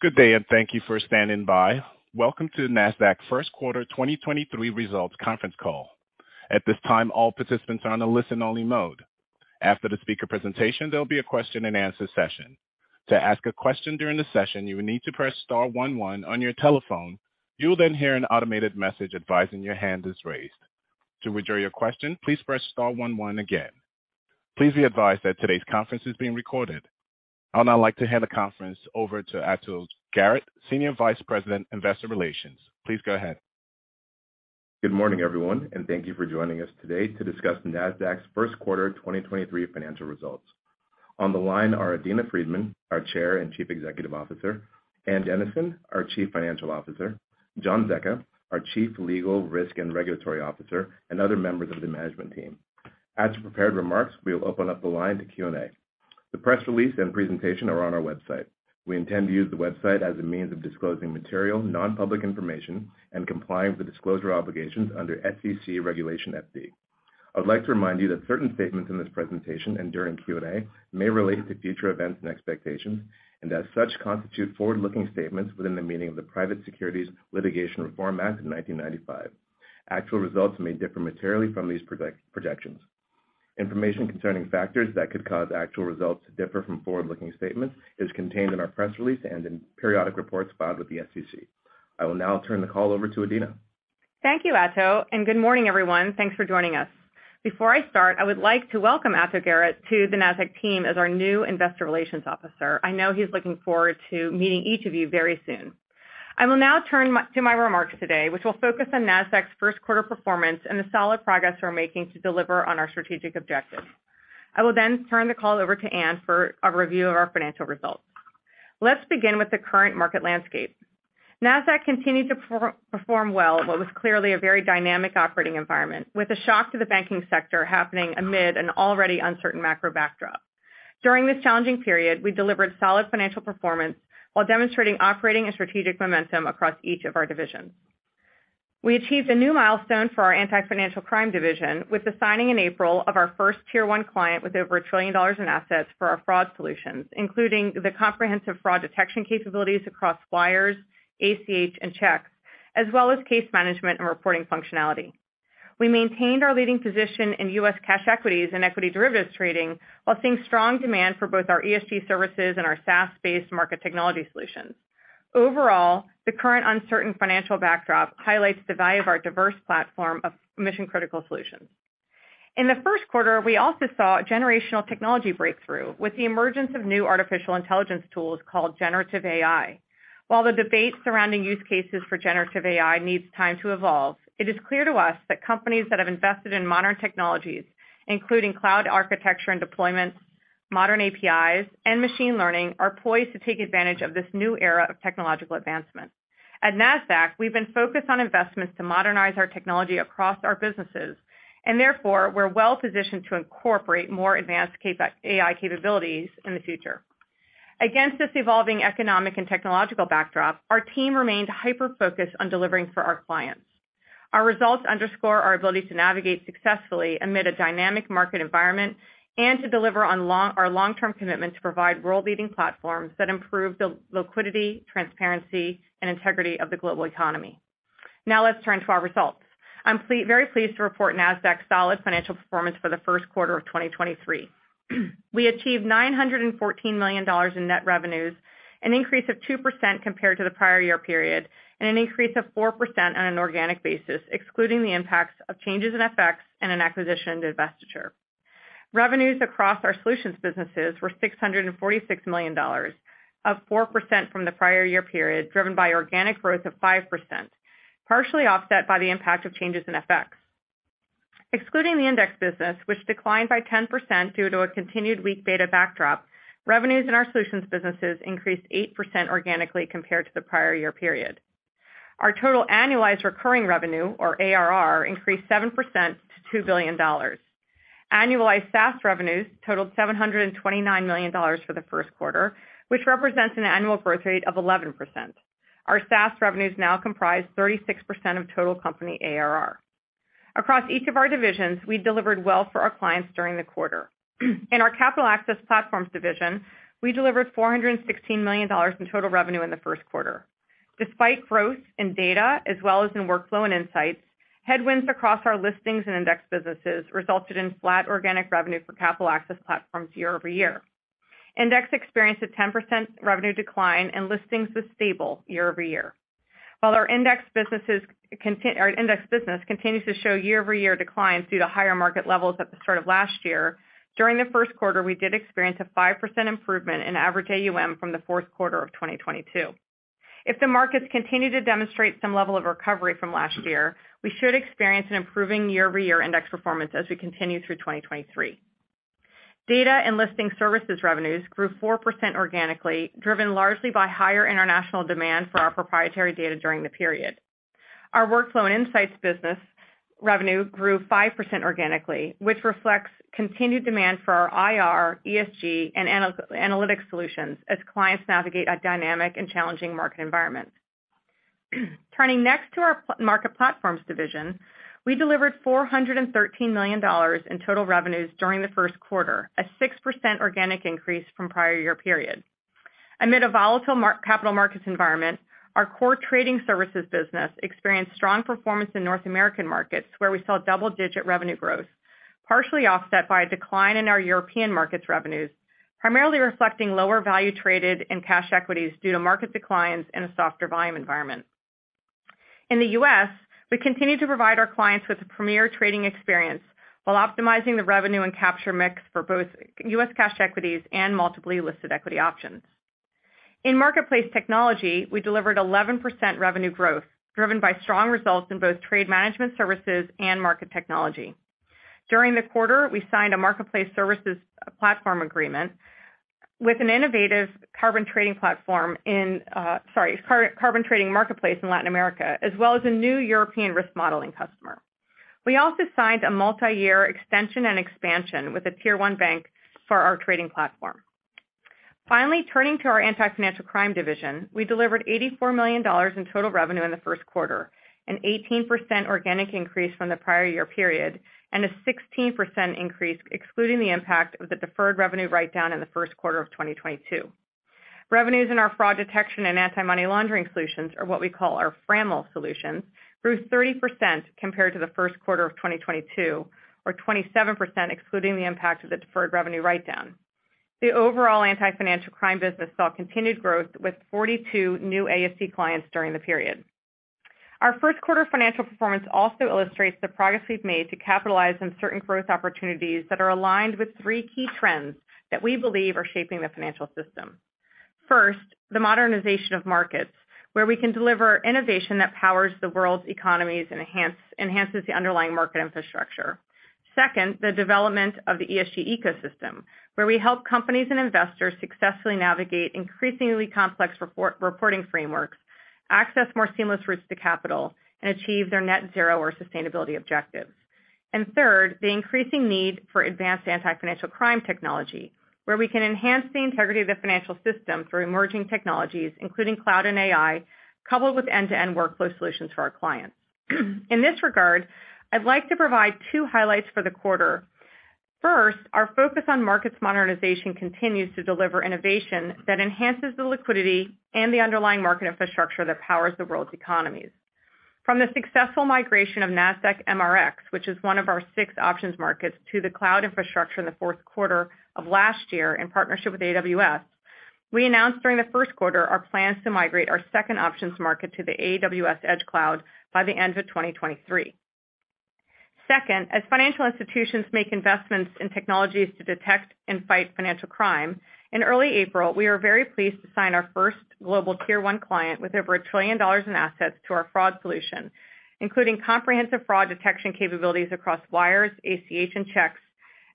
Good day. Thank you for standing by. Welcome to Nasdaq Q1 2023 results conference call. At this time, all participants are on a listen-only mode. After the speaker presentation, there'll be a question-and-answer session. To ask a question during the session, you will need to press star one one on your telephone. You will hear an automated message advising your hand is raised. To withdraw your question, please press star one one again. Please be advised that today's conference is being recorded. I would now like to hand the conference over to Ato Garrett, Senior Vice President, Investor Relations. Please go ahead. Good morning, everyone, and thank you for joining us today to discuss Nasdaq's Q1 2023 financial results. On the line are Adena Friedman, our Chair and Chief Executive Officer, Ann Dennison, our Chief Financial Officer, John Zecca, our Chief Legal, Risk and Regulatory Officer, and other members of the management team. After prepared remarks, we will open up the line to Q&A. The press release and presentation are on our website. We intend to use the website as a means of disclosing material, non-public information, and complying with disclosure obligations under SEC Regulation FD. I would like to remind you that certain statements in this presentation and during Q&A may relate to future events and expectations and as such, constitute forward-looking statements within the meaning of the Private Securities Litigation Reform Act of 1995. Actual results may differ materially from these projections. Information concerning factors that could cause actual results to differ from forward-looking statements is contained in our press release and in periodic reports filed with the SEC. I will now turn the call over to Adena. Thank you, Ato. Good morning, everyone. Thanks for joining us. Before I start, I would like to welcome Ato Garrett to the Nasdaq team as our new investor relations officer. I know he's looking forward to meeting each of you very soon. I will now turn to my remarks today, which will focus on Nasdaq's Q1 performance and the solid progress we're making to deliver on our strategic objectives. I will turn the call over to Ann for a review of our financial results. Let's begin with the current market landscape. Nasdaq continued to perform well in what was clearly a very dynamic operating environment, with a shock to the banking sector happening amid an already uncertain macro backdrop. During this challenging period, we delivered solid financial performance while demonstrating operating and strategic momentum across each of our divisions. We achieved a new milestone for our Anti-Financial Crime division with the signing in April of our first tier one client with over $1 trillion in assets for our fraud solutions, including the comprehensive fraud detection capabilities across wires, ACH, and checks, as well as case management and reporting functionality. We maintained our leading position in U.S. cash equities and equity derivatives trading while seeing strong demand for both our ESG services and our SaaS-based market technology solutions. Overall, the current uncertain financial backdrop highlights the value of our diverse platform of mission-critical solutions. In the Q1, we also saw a generational technology breakthrough with the emergence of new artificial intelligence tools called generative AI. While the debate surrounding use cases for generative AI needs time to evolve, it is clear to us that companies that have invested in modern technologies, including cloud architecture and deployments, modern APIs, and machine learning, are poised to take advantage of this new era of technological advancement. At Nasdaq, we've been focused on investments to modernize our technology across our businesses, and therefore, we're well-positioned to incorporate more advanced AI capabilities in the future. Against this evolving economic and technological backdrop, our team remained hyper-focused on delivering for our clients. Our results underscore our ability to navigate successfully amid a dynamic market environment and to deliver on our long-term commitment to provide world-leading platforms that improve the liquidity, transparency, and integrity of the global economy. Now let's turn to our results. I'm very pleased to report Nasdaq's solid financial performance for the Q1 of 2023. We achieved $914 million in net revenues, an increase of 2% compared to the prior year period, and an increase of 4% on an organic basis, excluding the impacts of changes in FX and an acquisition divestiture. Revenues across our solutions businesses were $646 million, up 4% from the prior year period, driven by organic growth of 5%, partially offset by the impact of changes in FX. Excluding the index business, which declined by 10% due to a continued weak beta backdrop, revenues in our solutions businesses increased 8% organically compared to the prior year period. Our total annualized recurring revenue, or ARR, increased 7% to $2 billion. Annualized SaaS revenues totaled $729 million for the Q1, which represents an annual growth rate of 11%. Our SaaS revenues now comprise 36% of total company ARR. Across each of our divisions, we delivered well for our clients during the quarter. In our Capital Access Platforms division, we delivered $416 million in total revenue in the Q1. Despite growth in data as well as in workflow and insights, headwinds across our listings and index businesses resulted in flat organic revenue for Capital Access Platforms year-over-year. Index experienced a 10% revenue decline, and listings was stable year-over-year. Our index business continues to show year-over-year declines due to higher market levels at the start of last year. During the Q1, we did experience a 5% improvement in average AUM from the Q4 of 2022. If the markets continue to demonstrate some level of recovery from last year, we should experience an improving year-over-year index performance as we continue through 2023. Data and listing services revenues grew 4% organically, driven largely by higher international demand for our proprietary data during the period. Our workflow and insights business revenue grew 5% organically, which reflects continued demand for our IR, ESG, and ana-analytics solutions as clients navigate a dynamic and challenging market environment. Turning next to our Market Platforms division, we delivered $413 million in total revenues during the Q1, a 6% organic increase from prior year period. Amid a volatile capital markets environment, our core trading services business experienced strong performance in North American markets, where we saw double-digit revenue growth, partially offset by a decline in our European markets revenues, primarily reflecting lower value traded and cash equities due to market declines and a softer volume environment. In the U.S., we continue to provide our clients with a premier trading experience while optimizing the revenue and capture mix for both U.S. cash equities and multiply listed equity options. In marketplace technology, we delivered 11% revenue growth, driven by strong results in both trade management services and market technology. During the quarter, we signed a marketplace services platform agreement with an innovative carbon trading platform in, sorry, carbon trading marketplace in Latin America, as well as a new European risk modeling customer. We also signed a multiyear extension and expansion with a tier one bank for our trading platform. Finally, turning to our Anti-Financial Crime division, we delivered $84 million in total revenue in the Q1, an 18% organic increase from the prior year period, and a 16% increase excluding the impact of the deferred revenue write-down in the Q1 of 2022. Revenues in our fraud detection and anti-money laundering solutions are what we call our FRAML solutions, grew 30% compared to the Q1 of 2022 or 27% excluding the impact of the deferred revenue write-down. The overall Anti-Financial Crime business saw continued growth with 42 new AFC clients during the period. Our Q1 financial performance also illustrates the progress we've made to capitalize on certain growth opportunities that are aligned with three key trends that we believe are shaping the financial system. First, the modernization of markets, where we can deliver innovation that powers the world's economies, enhances the underlying market infrastructure. Second, the development of the ESG ecosystem, where we help companies and investors successfully navigate increasingly complex reporting frameworks, access more seamless routes to capital, and achieve their net zero or sustainability objectives. Third, the increasing need for advanced anti-financial crime technology, where we can enhance the integrity of the financial system through emerging technologies, including cloud and AI, coupled with end-to-end workflow solutions for our clients. In this regard, I'd like to provide two highlights for the quarter. First, our focus on markets modernization continues to deliver innovation that enhances the liquidity and the underlying market infrastructure that powers the world's economies. From the successful migration of Nasdaq MRX, which is one of our six options markets, to the cloud infrastructure in the Q4 of last year in partnership with AWS, we announced during the Q1 our plans to migrate our second options market to the AWS Outposts cloud by the end of 2023. Second, as financial institutions make investments in technologies to detect and fight financial crime, in early April, we were very pleased to sign our first global tier one client with over a $1 trillion in assets to our fraud solution, including comprehensive fraud detection capabilities across wires, ACH, and checks,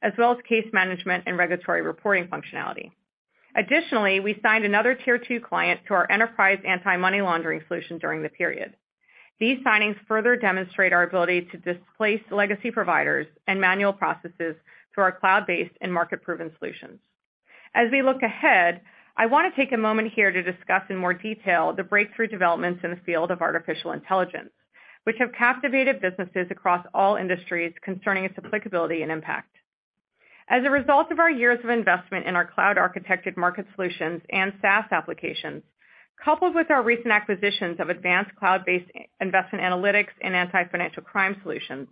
as well as case management and regulatory reporting functionality. Additionally, we signed another tier two client to our enterprise anti-money laundering solution during the period. These signings further demonstrate our ability to displace legacy providers and manual processes through our cloud-based and market-proven solutions. As we look ahead, I wanna take a moment here to discuss in more detail the breakthrough developments in the field of artificial intelligence, which have captivated businesses across all industries concerning its applicability and impact. As a result of our years of investment in our cloud architected market solutions and SaaS applications, coupled with our recent acquisitions of advanced cloud-based investment analytics and Anti-Financial Crime solutions,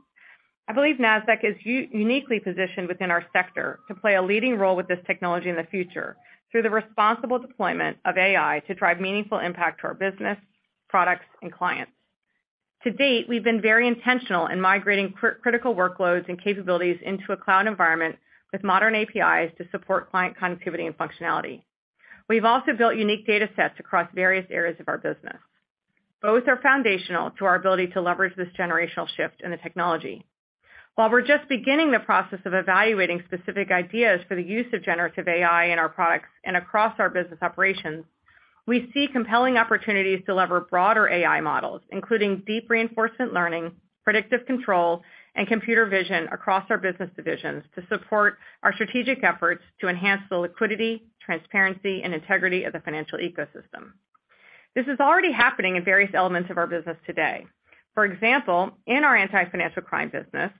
I believe Nasdaq is uniquely positioned within our sector to play a leading role with this technology in the future through the responsible deployment of AI to drive meaningful impact to our business, products, and clients. To date, we've been very intentional in migrating critical workloads and capabilities into a cloud environment with modern APIs to support client connectivity and functionality. We've also built unique datasets across various areas of our business. Both are foundational to our ability to leverage this generational shift in the technology. While we're just beginning the process of evaluating specific ideas for the use of generative AI in our products and across our business operations, we see compelling opportunities to lever broader AI models, including deep reinforcement learning, predictive control, and computer vision across our business divisions to support our strategic efforts to enhance the liquidity, transparency, and integrity of the financial ecosystem. This is already happening in various elements of our business today. For example, in our Anti-Financial Crime business,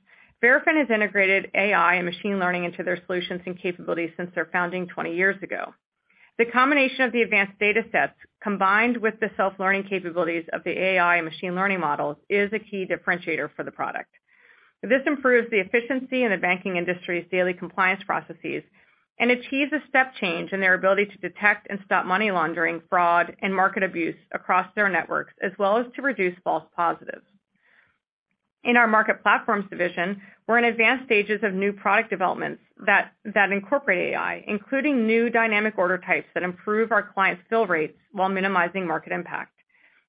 Verafin has integrated AI and machine learning into their solutions and capabilities since their founding 20 years ago. The combination of the advanced datasets combined with the self-learning capabilities of the AI and machine learning models is a key differentiator for the product. This improves the efficiency in the banking industry's daily compliance processes and achieves a step change in their ability to detect and stop money laundering, fraud, and market abuse across their networks, as well as to reduce false positives. In our Market Platforms division, we're in advanced stages of new product developments that incorporate AI, including new dynamic order types that improve our clients' fill rates while minimizing market impact.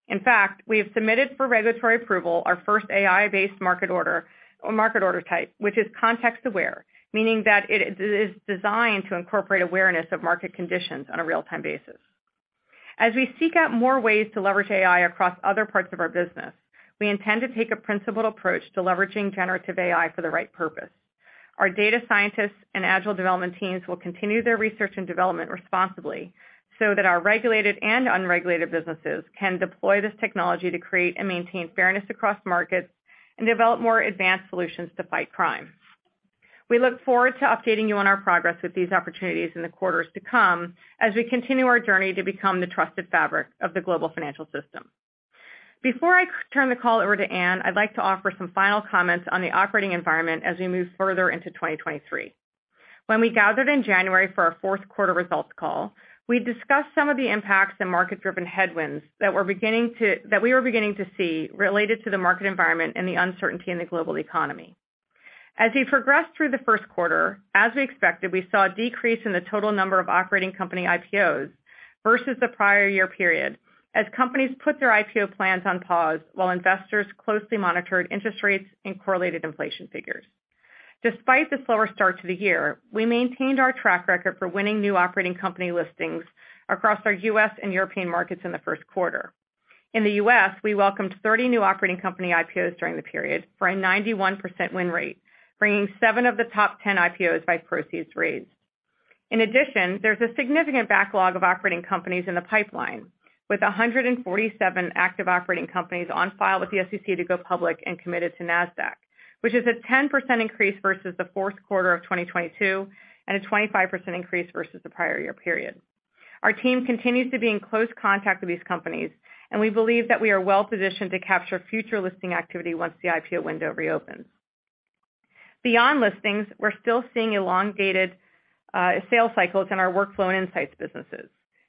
In fact, we have submitted for regulatory approval our first AI-based market order, or market order type, which is context aware, meaning that it is designed to incorporate awareness of market conditions on a real-time basis. As we seek out more ways to leverage AI across other parts of our business, we intend to take a principled approach to leveraging generative AI for the right purpose. Our data scientists and agile development teams will continue their research and development responsibly so that our regulated and unregulated businesses can deploy this technology to create and maintain fairness across markets and develop more advanced solutions to fight crime. We look forward to updating you on our progress with these opportunities in the quarters to come as we continue our journey to become the trusted fabric of the global financial system. Before I turn the call over to Ann, I'd like to offer some final comments on the operating environment as we move further into 2023. When we gathered in January for our Q4 results call, we discussed some of the impacts and market-driven headwinds that we were beginning to see related to the market environment and the uncertainty in the global economy. We progressed through the Q1, as we expected, we saw a decrease in the total number of operating company IPOs versus the prior year period, as companies put their IPO plans on pause while investors closely monitored interest rates and correlated inflation figures. Despite the slower start to the year, we maintained our track record for winning new operating company listings across our US and European markets in the Q1. In the US, we welcomed 30 new operating company IPOs during the period for a 91% win rate, bringing seven of the top 10 IPOs by proceeds raised. In addition, there's a significant backlog of operating companies in the pipeline, with 147 active operating companies on file with the SEC to go public and committed to Nasdaq, which is a 10% increase versus the Q4 of 2022 and a 25% increase versus the prior year period. Our team continues to be in close contact with these companies, and we believe that we are well-positioned to capture future listing activity once the IPO window reopens. Beyond listings, we're still seeing elongated sales cycles in our workflow and insights businesses.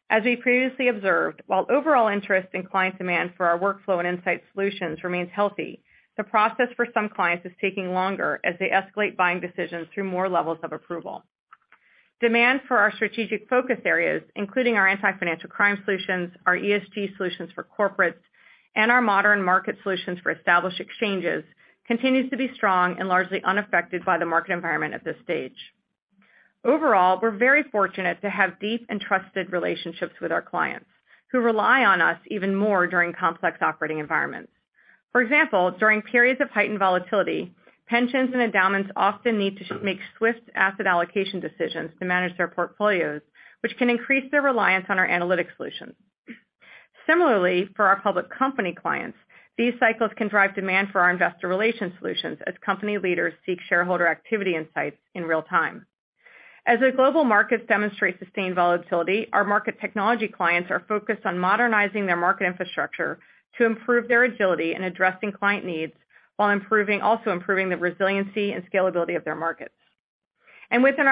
As we previously observed, while overall interest and client demand for our workflow and insight solutions remains healthy, the process for some clients is taking longer as they escalate buying decisions through more levels of approval. Demand for our strategic focus areas, including our anti-financial crime solutions, our ESG solutions for corporates, and our modern market solutions for established exchanges, continues to be strong and largely unaffected by the market environment at this stage. Overall, we're very fortunate to have deep and trusted relationships with our clients, who rely on us even more during complex operating environments. For example, during periods of heightened volatility, pensions and endowments often need to make swift asset allocation decisions to manage their portfolios, which can increase their reliance on our analytics solutions. Similarly, for our public company clients, these cycles can drive demand for our investor relations solutions as company leaders seek shareholder activity insights in real time. As the global markets demonstrate sustained volatility, our market technology clients are focused on modernizing their market infrastructure to improve their agility in addressing client needs, while also improving the resiliency and scalability of their markets. Within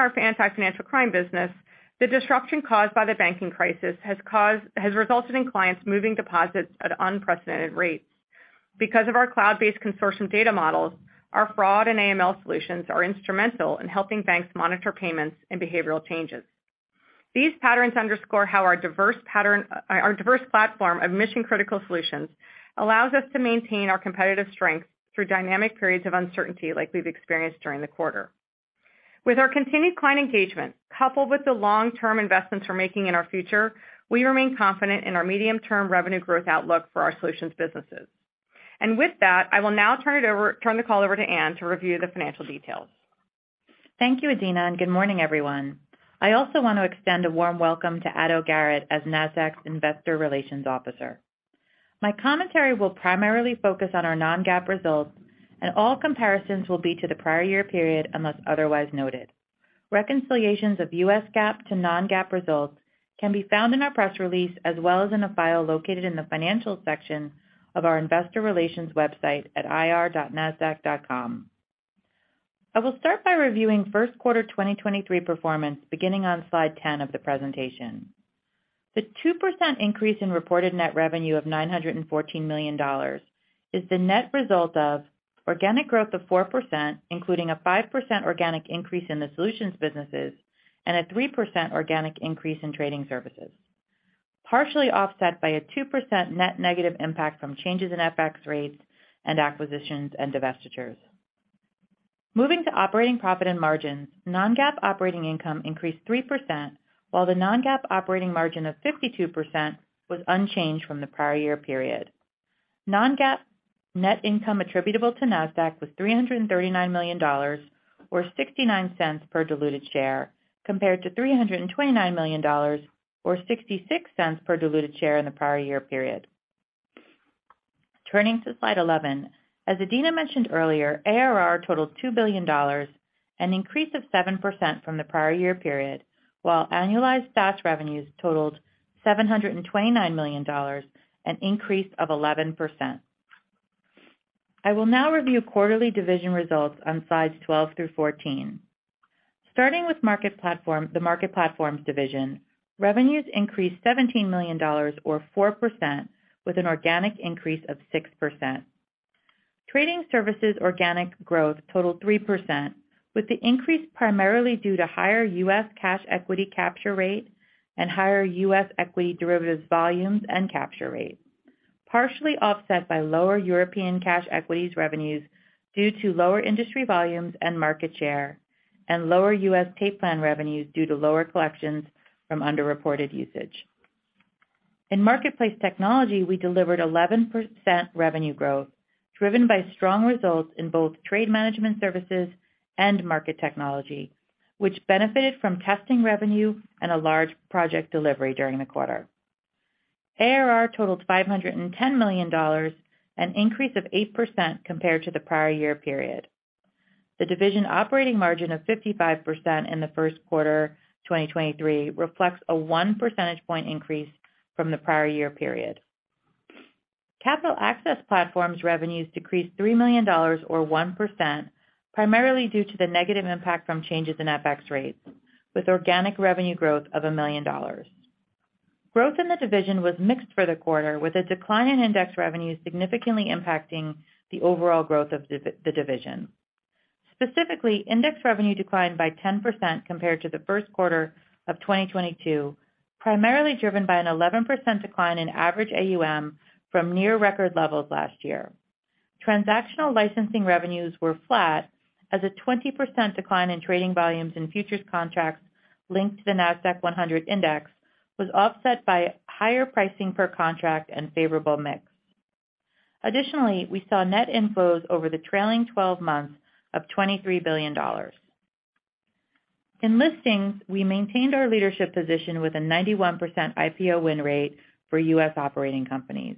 our Anti-Financial Crime business, the disruption has resulted in clients moving deposits at unprecedented rates. Because of our cloud-based consortium data models, our fraud and AML solutions are instrumental in helping banks monitor payments and behavioral changes. These patterns underscore how our diverse platform of mission-critical solutions allows us to maintain our competitive strengths through dynamic periods of uncertainty like we've experienced during the quarter. With our continued client engagement, coupled with the long-term investments we're making in our future, we remain confident in our medium-term revenue growth outlook for our solutions businesses. With that, I will now turn the call over to Ann to review the financial details. Thank you, Adena, and good morning, everyone. I also want to extend a warm welcome to Ato Garrett as Nasdaq's Investor Relations Officer. My commentary will primarily focus on our non-GAAP results, and all comparisons will be to the prior year period unless otherwise noted. Reconciliations of U.S. GAAP to non-GAAP results can be found in our press release as well as in a file located in the Financial section of our investor relations website at ir.nasdaq.com. I will start by reviewing Q1 2023 performance beginning on slide 10 of the presentation. The 2% increase in reported net revenue of $914 million is the net result of organic growth of 4%, including a 5% organic increase in the solutions businesses and a 3% organic increase in trading services, partially offset by a 2% net negative impact from changes in FX rates and acquisitions and divestitures. Moving to operating profit and margins, non-GAAP operating income increased 3%, while the non-GAAP operating margin of 52% was unchanged from the prior year period. Non-GAAP net income attributable to Nasdaq was $339 million, or $0.69 per diluted share, compared to $329 million, or $0.66 per diluted share in the prior year period. Turning to slide 11, as Adena mentioned earlier, ARR totaled $2 billion, an increase of 7% from the prior year period, while annualized SaaS revenues totaled $729 million, an increase of 11%. I will now review quarterly division results on slides 12 through 14. Starting with the Market Platforms division, revenues increased $17 million or 4% with an organic increase of 6%. Trading services organic growth totaled 3%, with the increase primarily due to higher U.S. cash equity capture rate and higher U.S. equity derivatives volumes and capture rate, partially offset by lower European cash equities revenues due to lower industry volumes and market share, and lower U.S. tape plan revenues due to lower collections from underreported usage. In marketplace technology, we delivered 11% revenue growth, driven by strong results in both trade management services and market technology, which benefited from testing revenue and a large project delivery during the quarter. ARR totaled $510 million, an increase of 8% compared to the prior year period. The division operating margin of 55% in the Q1 2023 reflects a 1 percentage point increase from the prior year period. Capital Access Platforms revenues decreased $3 million or 1%, primarily due to the negative impact from changes in FX rates, with organic revenue growth of $1 million. Growth in the division was mixed for the quarter, with a decline in index revenue significantly impacting the overall growth of the division. Specifically, index revenue declined by 10% compared to the Q1 of 2022, primarily driven by an 11% decline in average AUM from near record levels last year. Transactional licensing revenues were flat as a 20% decline in trading volumes in futures contracts linked to the Nasdaq-100 index was offset by higher pricing per contract and favorable mix. We saw net inflows over the trailing 12 months of $23 billion. In listings, we maintained our leadership position with a 91% IPO win rate for U.S. operating companies.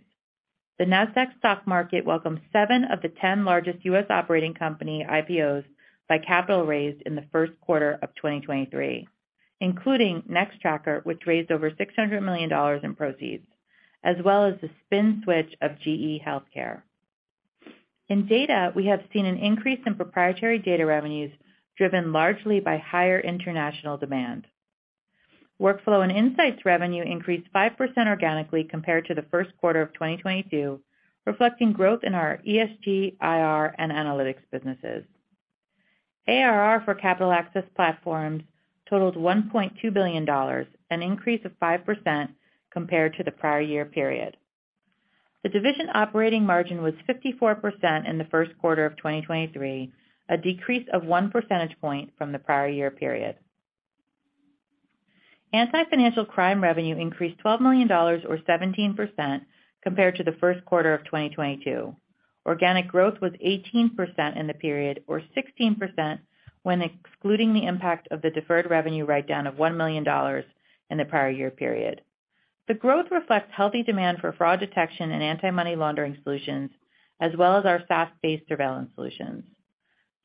The Nasdaq stock market welcomed seven of the 10 largest U.S. operating company IPOs by capital raised in the Q1 of 2023, including Nextracker, which raised over $600 million in proceeds, as well as the spin switch of GE HealthCare. In data, we have seen an increase in proprietary data revenues driven largely by higher international demand. Workflow and Insights revenue increased 5% organically compared to the Q1 of 2022, reflecting growth in our ESG, IR, and analytics businesses. ARR for Capital Access Platforms totaled $1.2 billion, an increase of 5% compared to the prior year period. The division operating margin was 54% in the Q1 of 2023, a decrease of 1 percentage point from the prior year period. Anti-Financial Crime revenue increased $12 million or 17% compared to the Q1 of 2022. Organic growth was 18% in the period or 16% when excluding the impact of the deferred revenue write-down of $1 million in the prior year period. The growth reflects healthy demand for fraud detection and anti-money laundering solutions, as well as our SaaS-based surveillance solutions.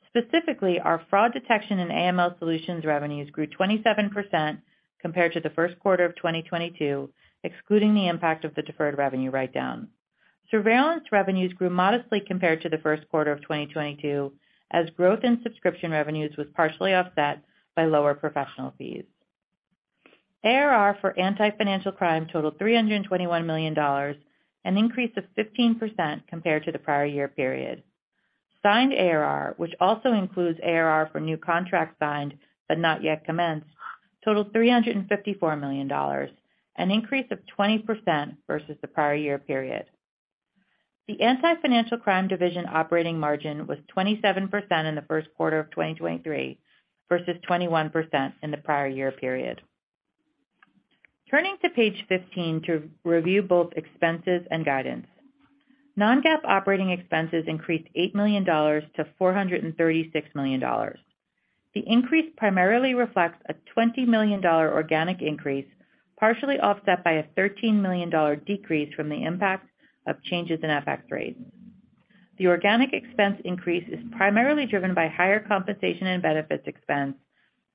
Specifically, our fraud detection and AML solutions revenues grew 27% compared to the Q1 of 2022, excluding the impact of the deferred revenue write-down. Surveillance revenues grew modestly compared to the Q1 of 2022, as growth in subscription revenues was partially offset by lower professional fees. ARR for Anti-Financial Crime totaled $321 million, an increase of 15% compared to the prior year period. Signed ARR, which also includes ARR for new contracts signed but not yet commenced, totaled $354 million, an increase of 20% versus the prior year period. The Anti-Financial Crime division operating margin was 27% in the Q1 of 2023 versus 21% in the prior year period. Turning to page 15 to review both expenses and guidance. Non-GAAP operating expenses increased $8 million to $436 million. The increase primarily reflects a $20 million organic increase, partially offset by a $13 million decrease from the impact of changes in FX rates. The organic expense increase is primarily driven by higher compensation and benefits expense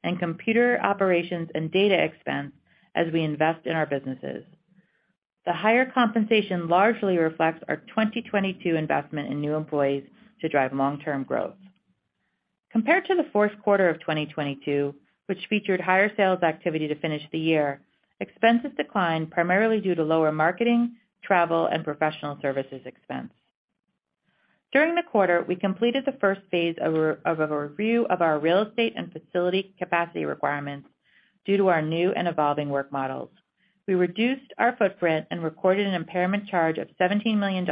and computer operations and data expense as we invest in our businesses. The higher compensation largely reflects our 2022 investment in new employees to drive long-term growth. Compared to the Q4 of 2022, which featured higher sales activity to finish the year, expenses declined primarily due to lower marketing, travel, and professional services expense. During the quarter, we completed the first phase of a review of our real estate and facility capacity requirements due to our new and evolving work models. We reduced our footprint and recorded an impairment charge of $17 million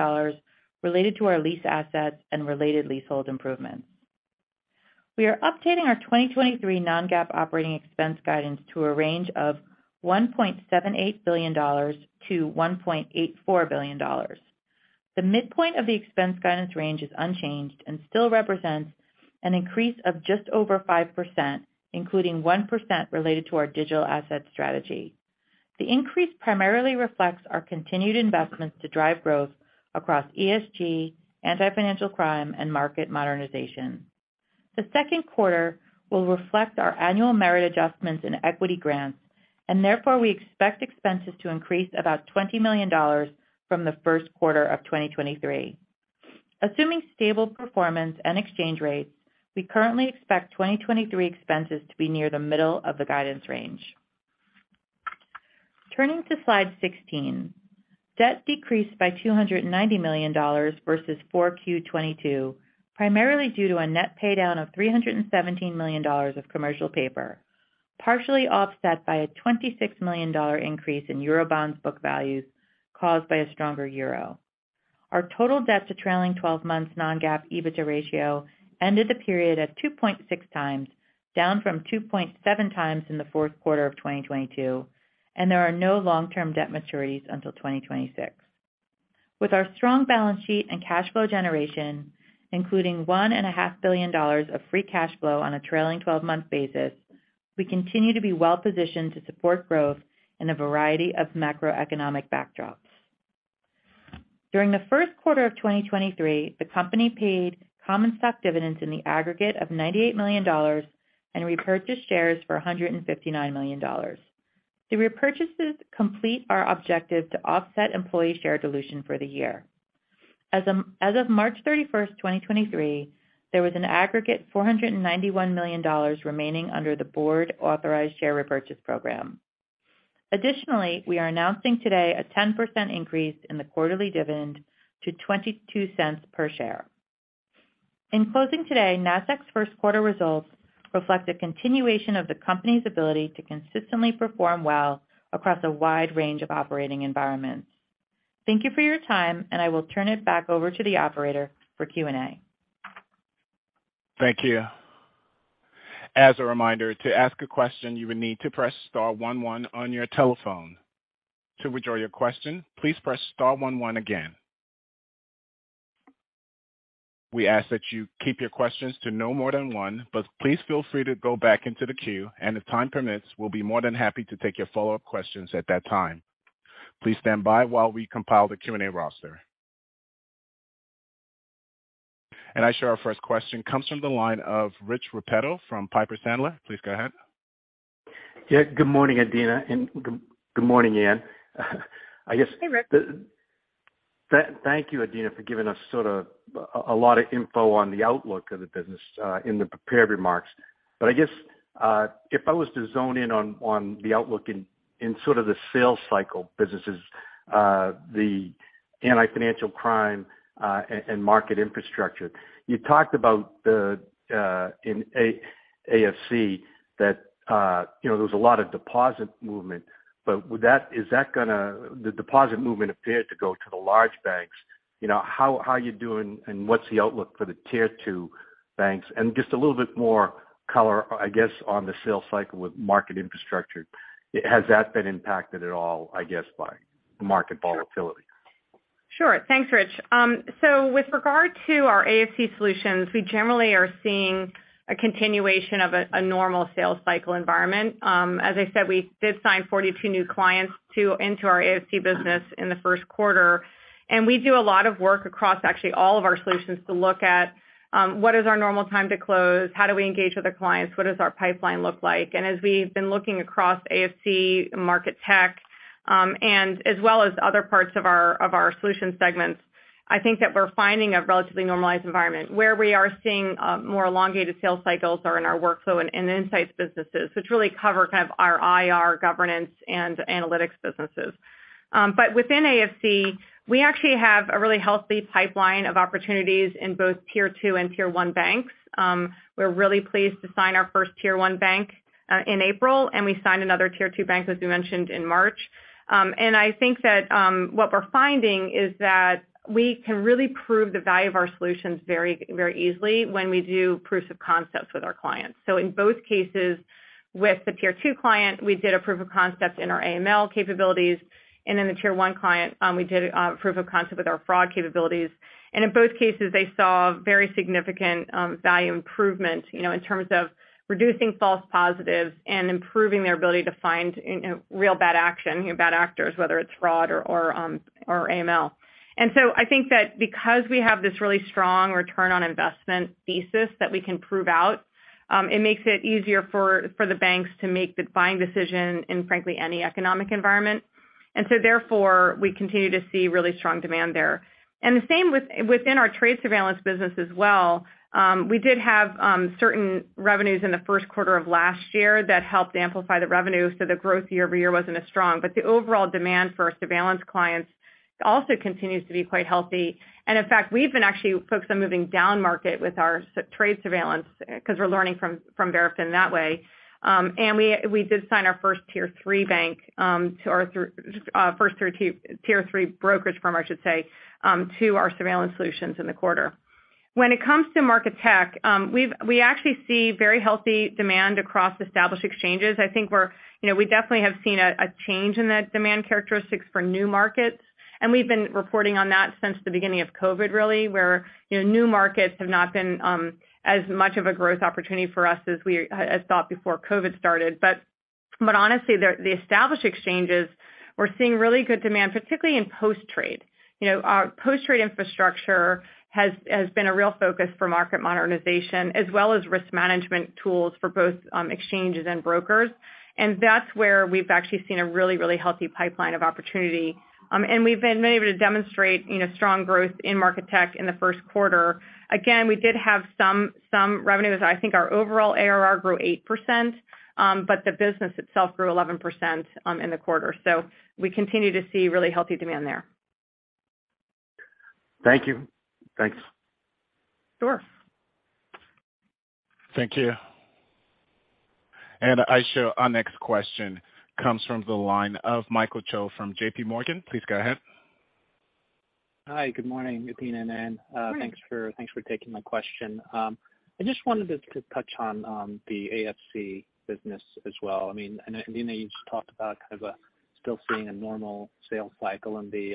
related to our lease assets and related leasehold improvements. We are updating our 2023 non-GAAP operating expense guidance to a range of $1.78 billion-$1.84 billion. The midpoint of the expense guidance range is unchanged and still represents an increase of just over 5%, including 1% related to our digital asset strategy. The increase primarily reflects our continued investments to drive growth across ESG, Anti-Financial Crime, and market modernization. The Q2 will reflect our annual merit adjustments in equity grants, and therefore, we expect expenses to increase about $20 million from the Q1 of 2023. Assuming stable performance and exchange rates, we currently expect 2023 expenses to be near the middle of the guidance range. Turning to slide 16. Debt decreased by $290 million versus 4Q 2022, primarily due to a net paydown of $317 million of commercial paper, partially offset by a $26 million increase in eurobonds book values caused by a stronger euro. Our total debt to trailing 12 months non-GAAP EBITDA ratio ended the period at 2.6 times, down from 2.7 times in the Q4 of 2022. There are no long-term debt maturities until 2026. With our strong balance sheet and cash flow generation, including $1.5 billion of free cash flow on a trailing 12-month basis, we continue to be well-positioned to support growth in a variety of macroeconomic backdrops. During the Q1 of 2023, the company paid common stock dividends in the aggregate of $98 million and repurchased shares for $159 million. The repurchases complete our objective to offset employee share dilution for the year. As of March 31st, 2023, there was an aggregate $491 million remaining under the board-authorized share repurchase program. Additionally, we are announcing today a 10% increase in the quarterly dividend to $0.22 per share. In closing today, Nasdaq's Q1 results reflect a continuation of the company's ability to consistently perform well across a wide range of operating environments. Thank you for your time, and I will turn it back over to the operator for Q&A. Thank you. As a reminder, to ask a question, you will need to press star one one on your telephone. To withdraw your question, please press star one one again. We ask that you keep your questions to no more than one, but please feel free to go back into the queue, and if time permits, we'll be more than happy to take your follow-up questions at that time. Please stand by while we compile the Q&A roster. I show our first question comes from the line of Rich Repetto from Piper Sandler. Please go ahead. Yeah. Good morning, Adena, and good morning, Ann. Hey, Rich. Thank you, Adena, for giving us sort of a lot of info on the outlook of the business in the prepared remarks. I guess, if I was to zone in on the outlook in sort of the sales cycle businesses, the Anti-Financial Crime and market infrastructure, you talked about the in AFC that, you know, there was a lot of deposit movement. The deposit movement appeared to go to the large banks. You know, how are you doing and what's the outlook for the tier two banks? Just a little bit more color, I guess, on the sales cycle with market infrastructure. Has that been impacted at all, I guess, by market volatility? Sure. Thanks, Rich. With regard to our AFC solutions, we generally are seeing a continuation of a normal sales cycle environment. As I said, we did sign 42 new clients into our AFC business in the Q1. We do a lot of work across actually all of our solutions to look at, what is our normal time to close, how do we engage with the clients, what does our pipeline look like. As we've been looking across AFC, Market Tech, and as well as other parts of our solution segments, I think that we're finding a relatively normalized environment. Where we are seeing more elongated sales cycles are in our workflow and insights businesses, which really cover kind of our IR governance and analytics businesses. Within AFC, we actually have a really healthy pipeline of opportunities in both tier two and tier one banks. We're really pleased to sign our first tier one bank in April, and we signed another tier two bank, as we mentioned, in March. I think that, what we're finding is that we can really prove the value of our solutions very, very easily when we do proofs of concepts with our clients. In both cases, with the tier two client, we did a proof of concept in our AML capabilities, and in the tier one client, we did a proof of concept with our fraud capabilities. In both cases, they saw very significant value improvement, you know, in terms of reducing false positives and improving their ability to find, you know, real bad action, you know, bad actors, whether it's fraud or AML. I think that because we have this really strong return on investment thesis that we can prove out, it makes it easier for the banks to make the buying decision in, frankly, any economic environment. Therefore, we continue to see really strong demand there. The same within our trade surveillance business as well. We did have certain revenues in the Q1 of last year that helped amplify the revenue, so the growth year-over-year wasn't as strong. The overall demand for our surveillance clients also continues to be quite healthy. In fact, we've been actually focused on moving down market with our trade surveillance because we're learning from Verafin that way. And we did sign our first tier 3 bank to our first tier 2-tier three brokerage firm, I should say, to our surveillance solutions in the quarter. When it comes to market tech, we actually see very healthy demand across established exchanges. You know, we definitely have seen a change in the demand characteristics for new markets, and we've been reporting on that since the beginning of COVID, really, where, you know, new markets have not been as much of a growth opportunity for us as we had thought before COVID started. Honestly, the established exchanges, we're seeing really good demand, particularly in post-trade. You know, our post-trade infrastructure has been a real focus for market modernization as well as risk management tools for both exchanges and brokers. That's where we've actually seen a really, really healthy pipeline of opportunity. We've been able to demonstrate, you know, strong growth in market tech in the Q1. Again, we did have some revenues. I think our overall ARR grew 8%, but the business itself grew 11% in the quarter. We continue to see really healthy demand there. Thank you. Thanks. Sure. Thank you. Aisha, our next question comes from the line of Michael Cho from J.P. Morgan. Please go ahead. Hi. Good morning, Adena and Ann. Good morning. Thanks for taking my question. I just wanted to touch on the AFC business as well. I mean, Adena, you just talked about kind of still seeing a normal sales cycle in the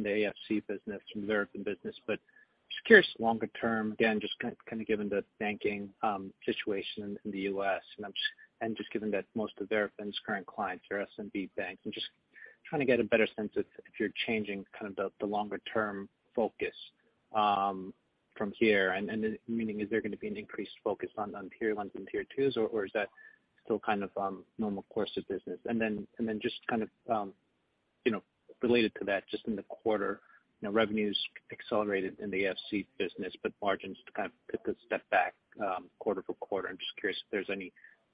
AFC business from Verafin business. Just curious longer term, again, just kind of given the banking situation in the U.S. and just given that most of Verafin's current clients are SMB banks. I'm just trying to get a better sense if you're changing kind of the longer term focus from here and then meaning is there gonna be an increased focus on tier ones and tier twos, or is that still kind of normal course of business? Then just kind of, you know, related to that, just in the quarter, you know, revenues accelerated in the AFC business, but margins kind of took a step back, quarter for quarter. I'm just curious if there's any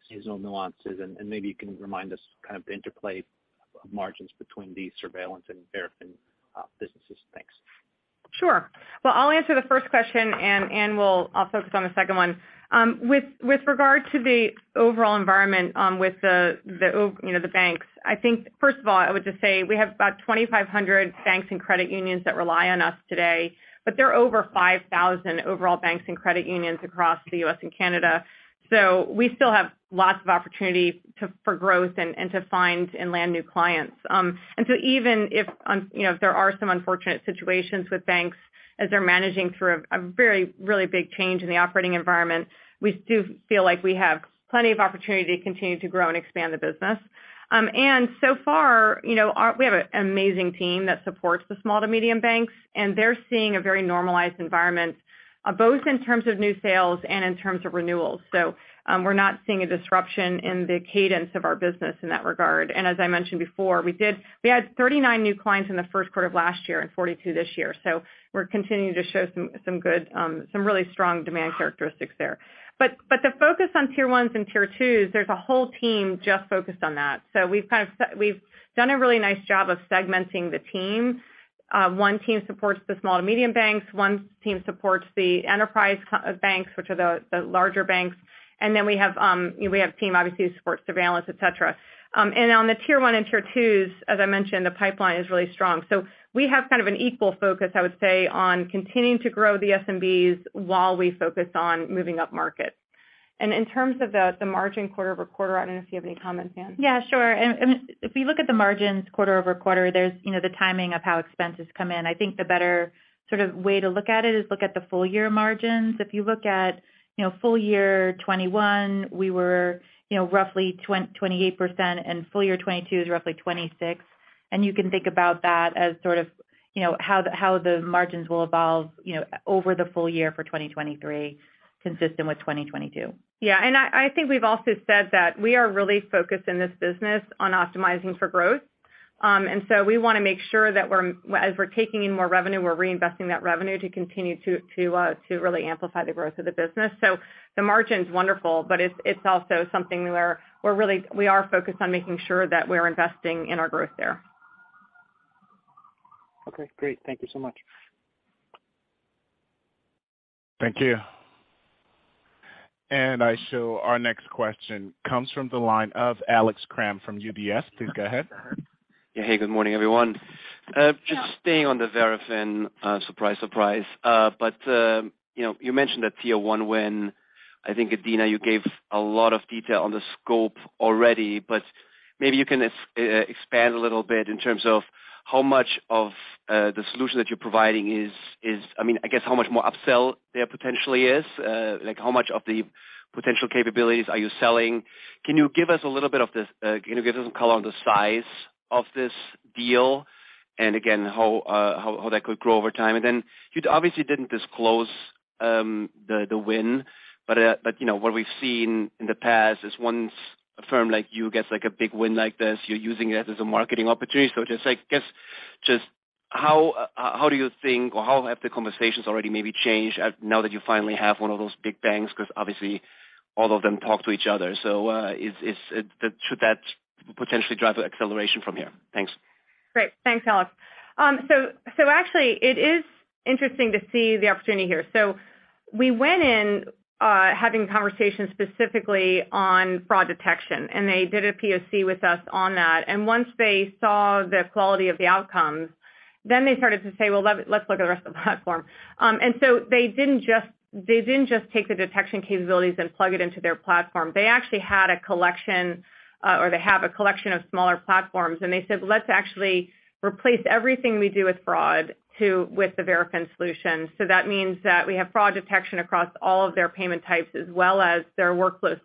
seasonal nuances and maybe you can remind us kind of the interplay margins between the surveillance and Verafin businesses. Thanks. Sure. Well, I'll answer the first question and I'll focus on the second one. With regard to the overall environment, with the you know, the banks, I think first of all, I would just say we have about 2,500 banks and credit unions that rely on us today. There are over 5,000 overall banks and credit unions across the U.S. and Canada. We still have lots of opportunity for growth and to find and land new clients. Even if you know, if there are some unfortunate situations with banks as they're managing through a very, really big change in the operating environment, we do feel like we have plenty of opportunity to continue to grow and expand the business. So far, you know, we have an amazing team that supports the small to medium banks, and they're seeing a very normalized environment, both in terms of new sales and in terms of renewals. We're not seeing a disruption in the cadence of our business in that regard. As I mentioned before, we had 39 new clients in the Q1 of last year and 42 this year. We're continuing to show some good, some really strong demand characteristics there. The focus on tier 1s and tier 2s, there's a whole team just focused on that. We've kind of we've done a really nice job of segmenting the team. One team supports the small to medium banks, one team supports the enterprise banks, which are the larger banks. We have, you know, we have a team obviously who supports surveillance, et cetera. On the tier one and tier twos, as I mentioned, the pipeline is really strong. We have kind of an equal focus, I would say, on continuing to grow the SMBs while we focus on moving up market. In terms of the margin quarter-over-quarter, I don't know if you have any comments, Ann. Yeah, sure. If we look at the margins quarter-over-quarter, there's, you know, the timing of how expenses come in. I think the better sort of way to look at it is look at the full year margins. If you look at, you know, full year 2021, we were, you know, roughly 28%, full year 2022 is roughly 26%. You can think about that as sort of, you know, how the margins will evolve, you know, over the full year for 2023, consistent with 2022. Yeah. I think we've also said that we are really focused in this business on optimizing for growth. We wanna make sure that we're as we're taking in more revenue, we're reinvesting that revenue to continue to really amplify the growth of the business. The margin's wonderful, but it's also something where we're really, we are focused on making sure that we're investing in our growth there. Okay, great. Thank you so much. Thank you. Aisha, our next question comes from the line of Alex Kramm from UBS. Please go ahead. Yeah. Hey, good morning, everyone. Yeah... just staying on the Verafin, surprise. you know, you mentioned that tier one win, I think Adena, you gave a lot of detail on the scope already. Maybe you can expand a little bit in terms of how much of the solution that you're providing is I mean, I guess how much more upsell there potentially is. Like, how much of the potential capabilities are you selling? Can you give us a little bit of this, can you give us some color on the size of this deal and again, how that could grow over time? You obviously didn't disclose the win, but you know, what we've seen in the past is once a firm like you gets like a big win like this, you're using it as a marketing opportunity. Just like, I guess, just how do you think or how have the conversations already maybe changed now that you finally have one of those big banks? 'Cause obviously all of them talk to each other. Should that potentially drive acceleration from here? Thanks. Great. Thanks, Alex. Actually it is interesting to see the opportunity here. We went in having conversations specifically on fraud detection, and they did a POC with us on that. Once they saw the quality of the outcomes, they started to say, "Well, let's look at the rest of the platform." They didn't just take the detection capabilities and plug it into their platform. They actually had a collection, or they have a collection of smaller platforms and they said, "Let's actually replace everything we do with fraud with the Verafin solution." That means that we have fraud detection across all of their payment types as well as their workflow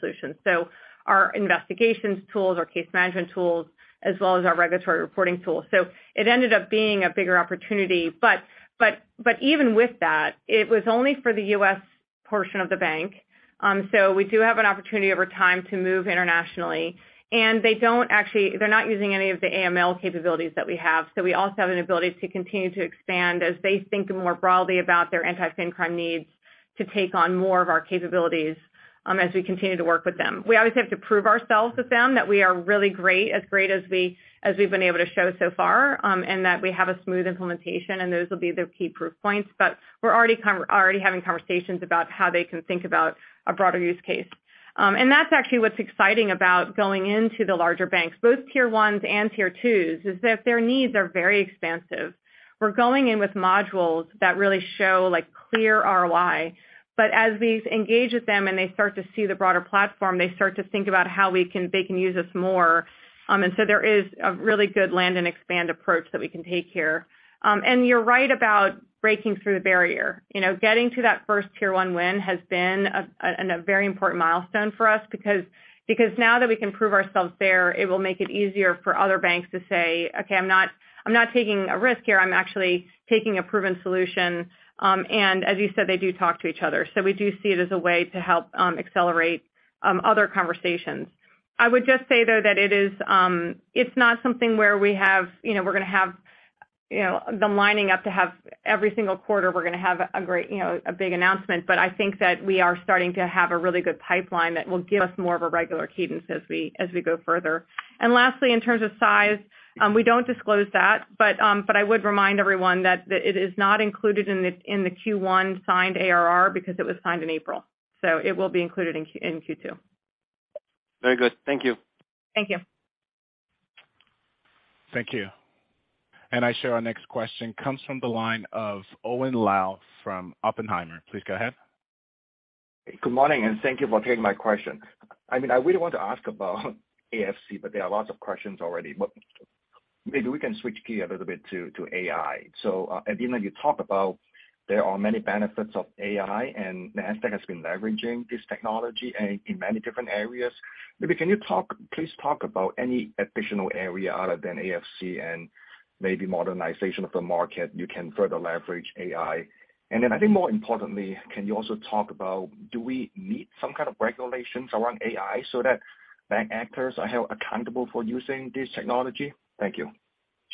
solutions, so our investigations tools, our case management tools, as well as our regulatory reporting tools. It ended up being a bigger opportunity. Even with that, it was only for the U.S. portion of the bank. We do have an opportunity over time to move internationally. They don't actually they're not using any of the AML capabilities that we have. We also have an ability to continue to expand as they think more broadly about their anti-fincrime needs to take on more of our capabilities. As we continue to work with them, we always have to prove ourselves with them that we are really great, as great as we've been able to show so far, and that we have a smooth implementation, and those will be the key proof points. We're already having conversations about how they can think about a broader use case. That's actually what's exciting about going into the larger banks, both tier ones and tier twos, is that their needs are very expansive. We're going in with modules that really show like clear ROI. As we engage with them and they start to see the broader platform, they start to think about how they can use us more. So there is a really good land and expand approach that we can take here. You're right about breaking through the barrier. You know, getting to that first tier one win has been a very important milestone for us because now that we can prove ourselves there, it will make it easier for other banks to say, "Okay, I'm not taking a risk here. I'm actually taking a proven solution." As you said, they do talk to each other. We do see it as a way to help accelerate other conversations. I would just say, though, that it is, it's not something where we have, you know, we're gonna have, you know, the lining up to have every single quarter, we're gonna have a great, you know, a big announcement. I think that we are starting to have a really good pipeline that will give us more of a regular cadence as we, as we go further. Lastly, in terms of size, we don't disclose that, but I would remind everyone that it is not included in the, in the Q1 Signed ARR because it was signed in April, so it will be included in Q2. Very good. Thank you. Thank you. Thank you. Aisha, our next question comes from the line of Owen Lau from Oppenheimer. Please go ahead. Good morning, and thank you for taking my question. I mean, I really want to ask about AFC, but there are lots of questions already. Maybe we can switch gear a little bit to AI. Adena, you talk about there are many benefits of AI, and Nasdaq has been leveraging this technology in many different areas. Maybe can you please talk about any additional area other than AFC and maybe modernization of the market you can further leverage AI. I think more importantly, can you also talk about do we need some kind of regulations around AI so that bank actors are held accountable for using this technology? Thank you.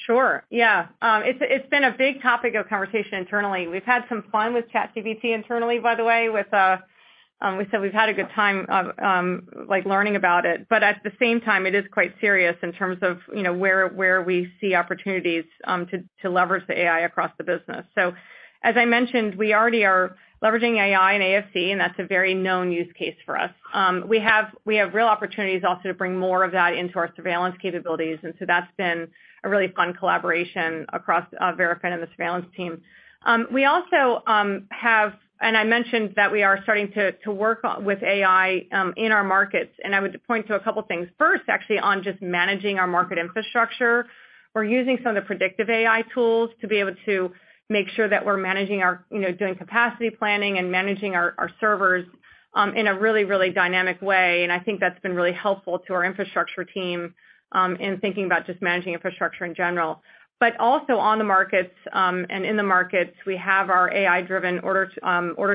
Sure. Yeah. It's been a big topic of conversation internally. We've had some fun with ChatGPT internally, by the way, with we said we've had a good time of, like, learning about it. At the same time, it is quite serious in terms of, you know, where we see opportunities, to leverage the AI across the business. As I mentioned, we already are leveraging AI and AFC, and that's a very known use case for us. We have real opportunities also to bring more of that into our surveillance capabilities. That's been a really fun collaboration across Verafin and the surveillance team. We also have. I mentioned that we are starting to work with AI in our markets, and I would point to a couple things. First, actually on just managing our market infrastructure, we're using some of the predictive AI tools to be able to make sure that we're managing our, you know, doing capacity planning and managing our servers in a really dynamic way. I think that's been really helpful to our infrastructure team in thinking about just managing infrastructure in general. Also on the markets, in the markets, we have our AI-driven order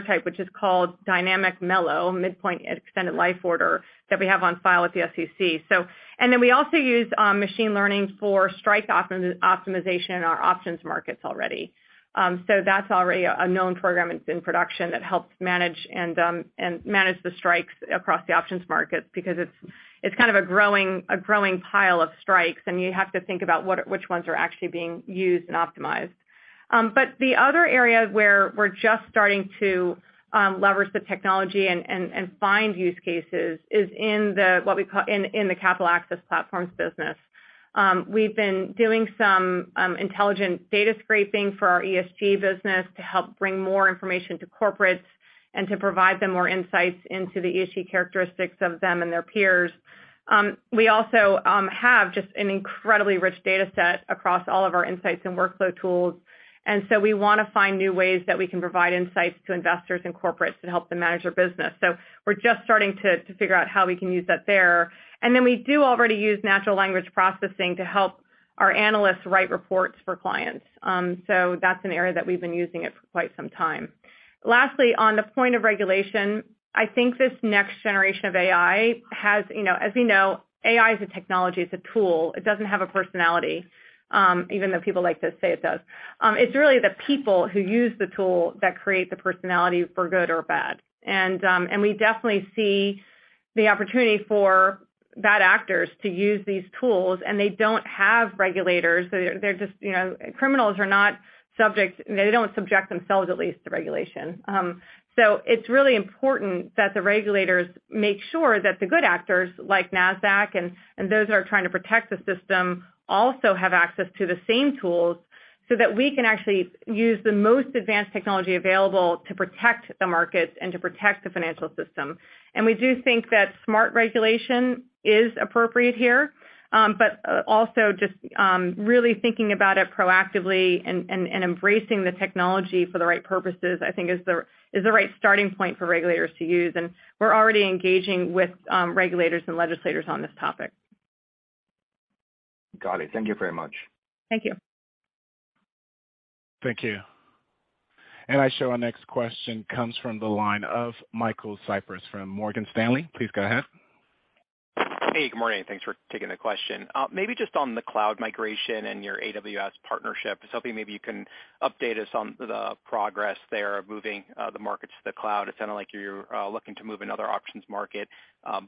type, which is called Dynamic M-ELO, Midpoint Extended Life Order, that we have on file at the SEC. we also use machine learning for strike optimization in our options markets already. That's already a known program. It's in production that helps manage and manage the strikes across the options markets because it's kind of a growing pile of strikes, and you have to think about which ones are actually being used and optimized. But the other area where we're just starting to leverage the technology and find use cases is in the Capital Access Platforms business. We've been doing some intelligent data scraping for our ESG business to help bring more information to corporates and to provide them more insights into the ESG characteristics of them and their peers. We also have just an incredibly rich data set across all of our insights and workflow tools, and so we wanna find new ways that we can provide insights to investors and corporates to help them manage their business. We're just starting to figure out how we can use that there. We do already use natural language processing to help our analysts write reports for clients. That's an area that we've been using it for quite some time. Lastly, on the point of regulation, I think this next generation of AI has, you know, as we know, AI is a technology, it's a tool. It doesn't have a personality, even though people like to say it does. It's really the people who use the tool that create the personality for good or bad. We definitely see the opportunity for bad actors to use these tools, and they don't have regulators. They're just, you know, they don't subject themselves, at least, to regulation. It's really important that the regulators make sure that the good actors like Nasdaq and those who are trying to protect the system also have access to the same tools so that we can actually use the most advanced technology available to protect the markets and to protect the financial system. We do think that smart regulation is appropriate here, also just really thinking about it proactively and embracing the technology for the right purposes, I think is the right starting point for regulators to use. We're already engaging with regulators and legislators on this topic. Got it. Thank you very much. Thank you. Thank you. Aisha our next question comes from the line of Michael Cyprys from Morgan Stanley. Please go ahead. Hey, good morning, and thanks for taking the question. Maybe just on the cloud migration and your AWS partnership. I was hoping maybe you can update us on the progress there of moving the markets to the cloud. It sounded like you're looking to move another options market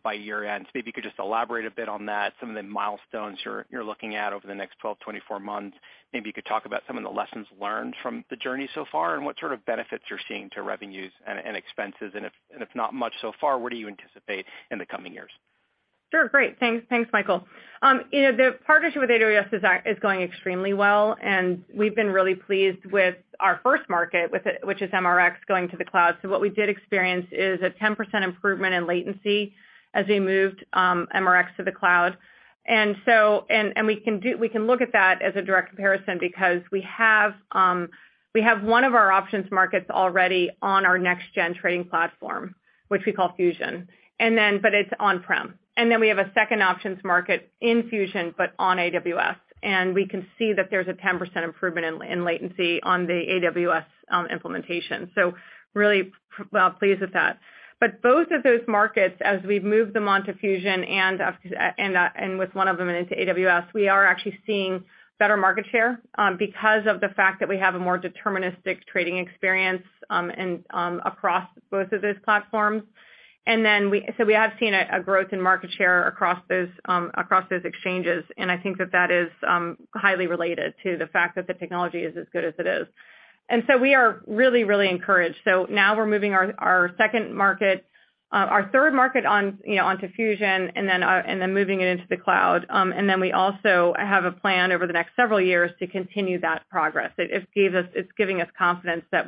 by year-end. Maybe you could just elaborate a bit on that, some of the milestones you're looking at over the next 12-24 months. Maybe you could talk about some of the lessons learned from the journey so far, and what sort of benefits you're seeing to revenues and expenses. If not much so far, what do you anticipate in the coming years? Sure. Great. Thanks. Thanks, Michael. You know, the partnership with AWS is going extremely well, and we've been really pleased with our first market with it, which is MRX going to the cloud. What we did experience is a 10% improvement in latency as we moved MRX to the cloud. We can look at that as a direct comparison because we have one of our options markets already on our next gen trading platform, which we call Fusion. It's on-prem. We have a second options market in Fusion, but on AWS. We can see that there's a 10% improvement in latency on the AWS implementation. Really well pleased with that. Both of those markets, as we've moved them onto Fusion and with one of them into AWS, we are actually seeing better market share because of the fact that we have a more deterministic trading experience and across both of those platforms. We have seen a growth in market share across those across those exchanges, and I think that that is highly related to the fact that the technology is as good as it is. We are really, really encouraged. Now we're moving our second market, our third market on, you know, onto Fusion and then, and then moving it into the cloud. We also have a plan over the next several years to continue that progress. It's giving us confidence that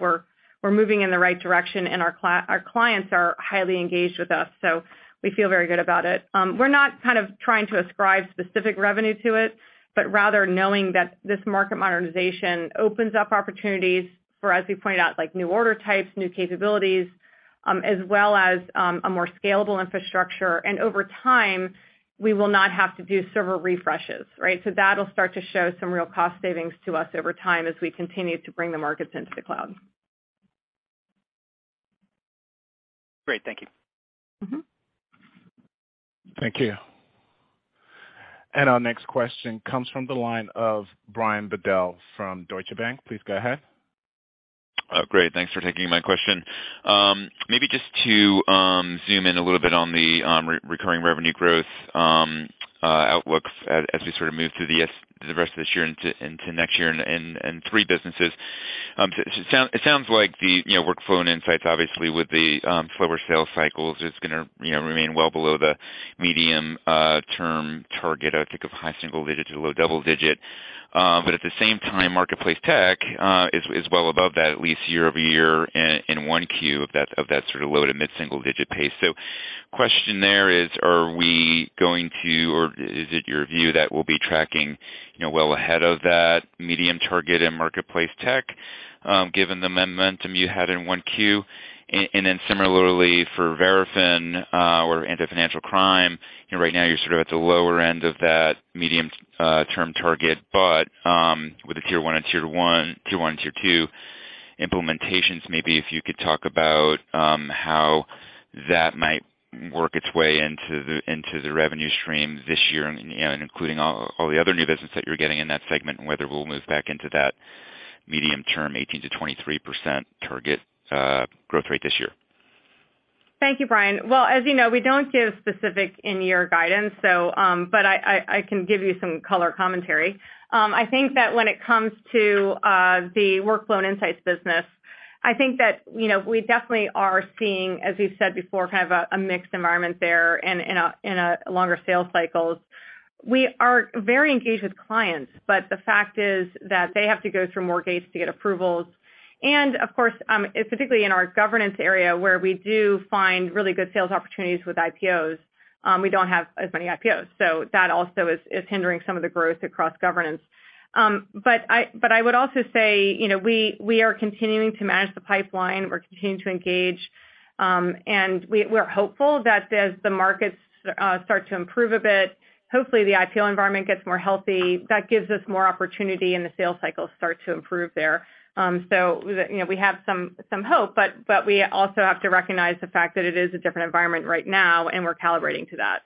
we're moving in the right direction, and our clients are highly engaged with us, so we feel very good about it. We're not kind of trying to ascribe specific revenue to it, but rather knowing that this market modernization opens up opportunities for, as we pointed out, like new order types, new capabilities, as well as a more scalable infrastructure. Over time, we will not have to do server refreshes, right? That'll start to show some real cost savings to us over time as we continue to bring the markets into the cloud. Great. Thank you. Mm-hmm. Thank you. Our next question comes from the line of Brian Bedell from Deutsche Bank. Please go ahead. Great. Thanks for taking my question. Maybe just to zoom in a little bit on the recurring revenue growth outlook as we sort of move through the rest of this year into next year in three businesses. It sounds like the, you know, workflow and insights, obviously with the slower sales cycles is gonna, you know, remain well below the medium term target. I think of high single-digit to low double-digit. At the same time, Market Platforms is well above that, at least year-over-year in 1Q of that sort of low to mid-single-digit pace. question there is, are we going to, or is it your view that we'll be tracking, you know, well ahead of that medium target in marketplace tech, given the momentum you had in 1Q? Similarly for Verafin, or Anti-Financial Crime, you know, right now you're sort of at the lower end of that medium, term target, but, with the tier one and tier two implementations, maybe if you could talk about how that might work its way into the revenue stream this year and including all the other new business that you're getting in that segment, and whether we'll move back into that medium term 18%-23% target, growth rate this year. Thank you, Brian. Well, as you know, we don't give specific in-year guidance. I can give you some color commentary. I think that when it comes to the workload insights business, I think that, you know, we definitely are seeing, as we've said before, kind of a mixed environment there and in a longer sales cycles. We are very engaged with clients. The fact is that they have to go through more gates to get approvals. Of course, specifically in our governance area, where we do find really good sales opportunities with IPOs, we don't have as many IPOs. That also is hindering some of the growth across governance. I would also say, you know, we are continuing to manage the pipeline. We're continuing to engage. We're hopeful that as the markets start to improve a bit, hopefully the IPO environment gets more healthy. That gives us more opportunity and the sales cycles start to improve there. You know, we have some hope, but we also have to recognize the fact that it is a different environment right now, and we're calibrating to that.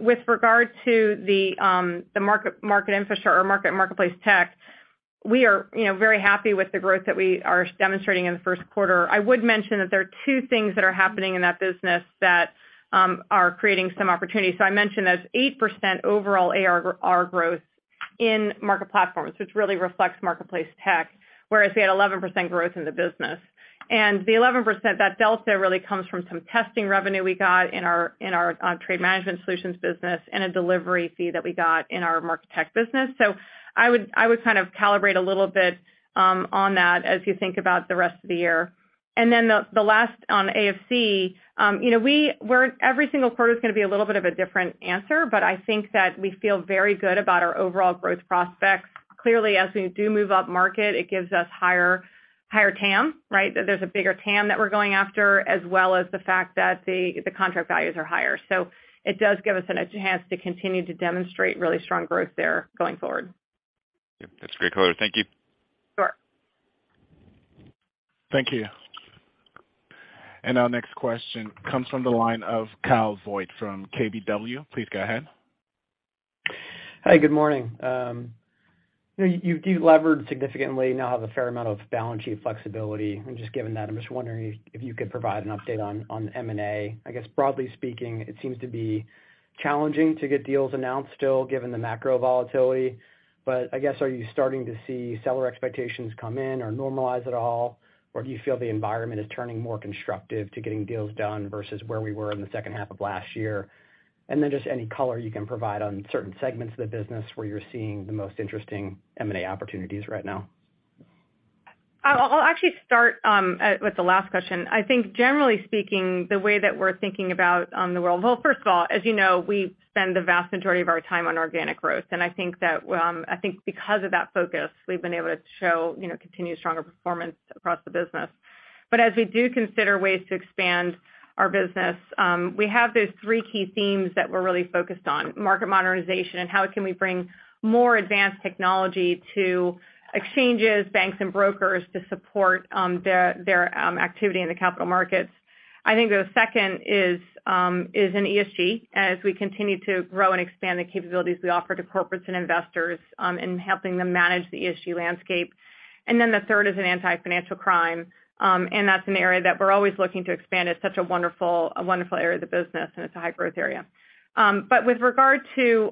With regard to the market, marketplace tech, we are, you know, very happy with the growth that we are demonstrating in the Q1. I would mention that there are two things that are happening in that business that are creating some opportunities. I mentioned those 8% overall ARR growth in Market Platforms, which really reflects marketplace tech, whereas we had 11% growth in the business. The 11%, that delta really comes from some testing revenue we got in our, in our trade management solutions business and a delivery fee that we got in our market tech business. I would kind of calibrate a little bit on that as you think about the rest of the year. The last on AFC, you know, every single quarter is gonna be a little bit of a different answer, but I think that we feel very good about our overall growth prospects. Clearly, as we do move up market, it gives us higher TAM, right? There's a bigger TAM that we're going after, as well as the fact that the contract values are higher. It does give us a chance to continue to demonstrate really strong growth there going forward. Yep. That's great color. Thank you. Sure. Thank you. Our next question comes from the line of Kyle Voigt from KBW. Please go ahead. Hi, good morning. You know, you've levered significantly, now have a fair amount of balance sheet flexibility. Just given that, I'm just wondering if you could provide an update on M&A. I guess broadly speaking, it seems to be challenging to get deals announced still given the macro volatility. I guess, are you starting to see seller expectations come in or normalize at all? Do you feel the environment is turning more constructive to getting deals done versus where we were in the second half of last year? Just any color you can provide on certain segments of the business where you're seeing the most interesting M&A opportunities right now. I'll actually start with the last question. I think generally speaking, the way that we're thinking about the world. Well, first of all, as you know, we spend the vast majority of our time on organic growth, and I think that, I think because of that focus, we've been able to show, you know, continued stronger performance across the business. As we do consider ways to expand our business, we have those three key themes that we're really focused on: market modernization and how can we bring more advanced technology to exchanges, banks and brokers to support their activity in the capital markets. I think the second is in ESG as we continue to grow and expand the capabilities we offer to corporates and investors in helping them manage the ESG landscape. Then the third is in Anti-Financial Crime, and that's an area that we're always looking to expand. It's such a wonderful, a wonderful area of the business, and it's a high-growth area. With regard to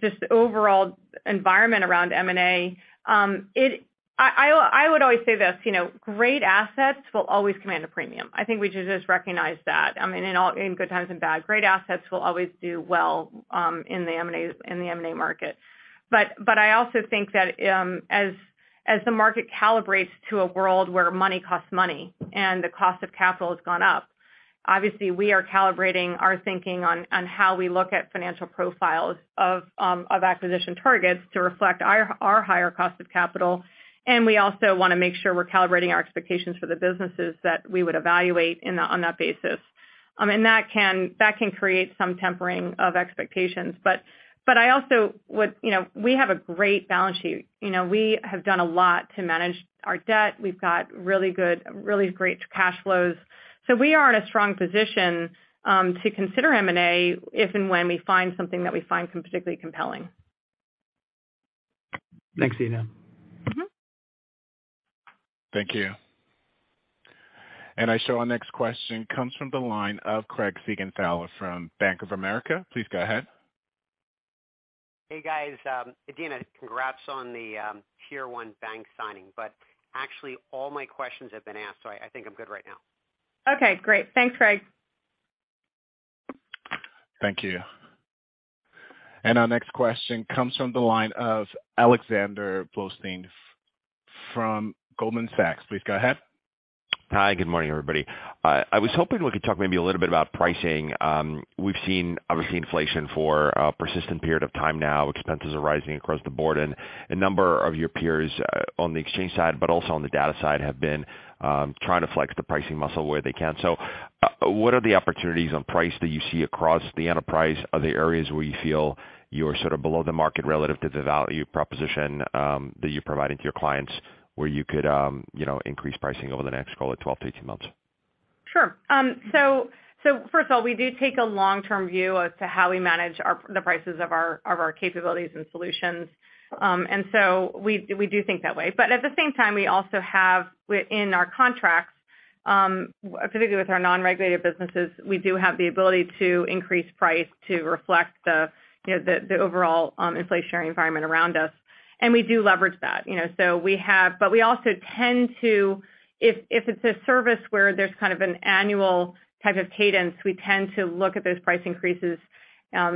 just the overall environment around M&A, I would always say this, you know, great assets will always command a premium. I think we should just recognize that. I mean, in good times and bad, great assets will always do well in the M&A market. I also think that as the market calibrates to a world where money costs money and the cost of capital has gone up, obviously we are calibrating our thinking on how we look at financial profiles of acquisition targets to reflect our higher cost of capital. We also wanna make sure we're calibrating our expectations for the businesses that we would evaluate on that basis. That can create some tempering of expectations. I also would. You know, we have a great balance sheet. You know, we have done a lot to manage our debt. We've got really great cash flows. We are in a strong position to consider M&A if and when we find something that we find particularly compelling. Thanks, Adena. Mm-hmm. Thank you. I show our next question comes from the line of Craig Siegenthaler from Bank of America. Please go ahead. Hey, guys. Adena, congrats on the tier one bank signing, but actually all my questions have been asked, so I think I'm good right now. Okay, great. Thanks, Craig. Thank you. Our next question comes from the line of Alexander Blostein from Goldman Sachs. Please go ahead. Hi, good morning, everybody. I was hoping we could talk maybe a little bit about pricing. We've seen, obviously, inflation for a persistent period of time now. Expenses are rising across the board, and a number of your peers, on the exchange side, but also on the data side, have been, trying to flex the pricing muscle where they can. What are the opportunities on price that you see across the enterprise? Are there areas where you feel you're sort of below the market relative to the value proposition, that you're providing to your clients where you could, you know, increase pricing over the next call it 12-18 months? Sure. First of all, we do take a long-term view as to how we manage our the prices of our capabilities and solutions. We do think that way. But at the same time, we also have within our contracts, particularly with our non-regulated businesses, we do have the ability to increase price to reflect the, you know, the overall inflationary environment around us, and we do leverage that. You know, we have. But we also tend to, if it's a service where there's kind of an annual type of cadence, we tend to look at those price increases at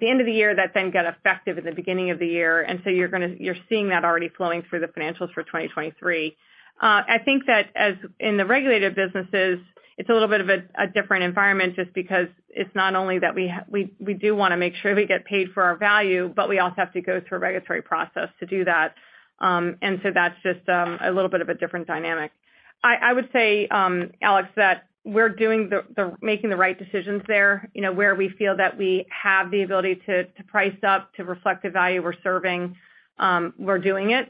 the end of the year that then get effective at the beginning of the year. You're seeing that already flowing through the financials for 2023. I think that as in the regulated businesses, it's a little bit of a different environment just because it's not only that we do wanna make sure we get paid for our value, but we also have to go through a regulatory process to do that. That's just a little bit of a different dynamic. I would say, Alex, that we're making the right decisions there, you know, where we feel that we have the ability to price up to reflect the value we're serving. We're doing it,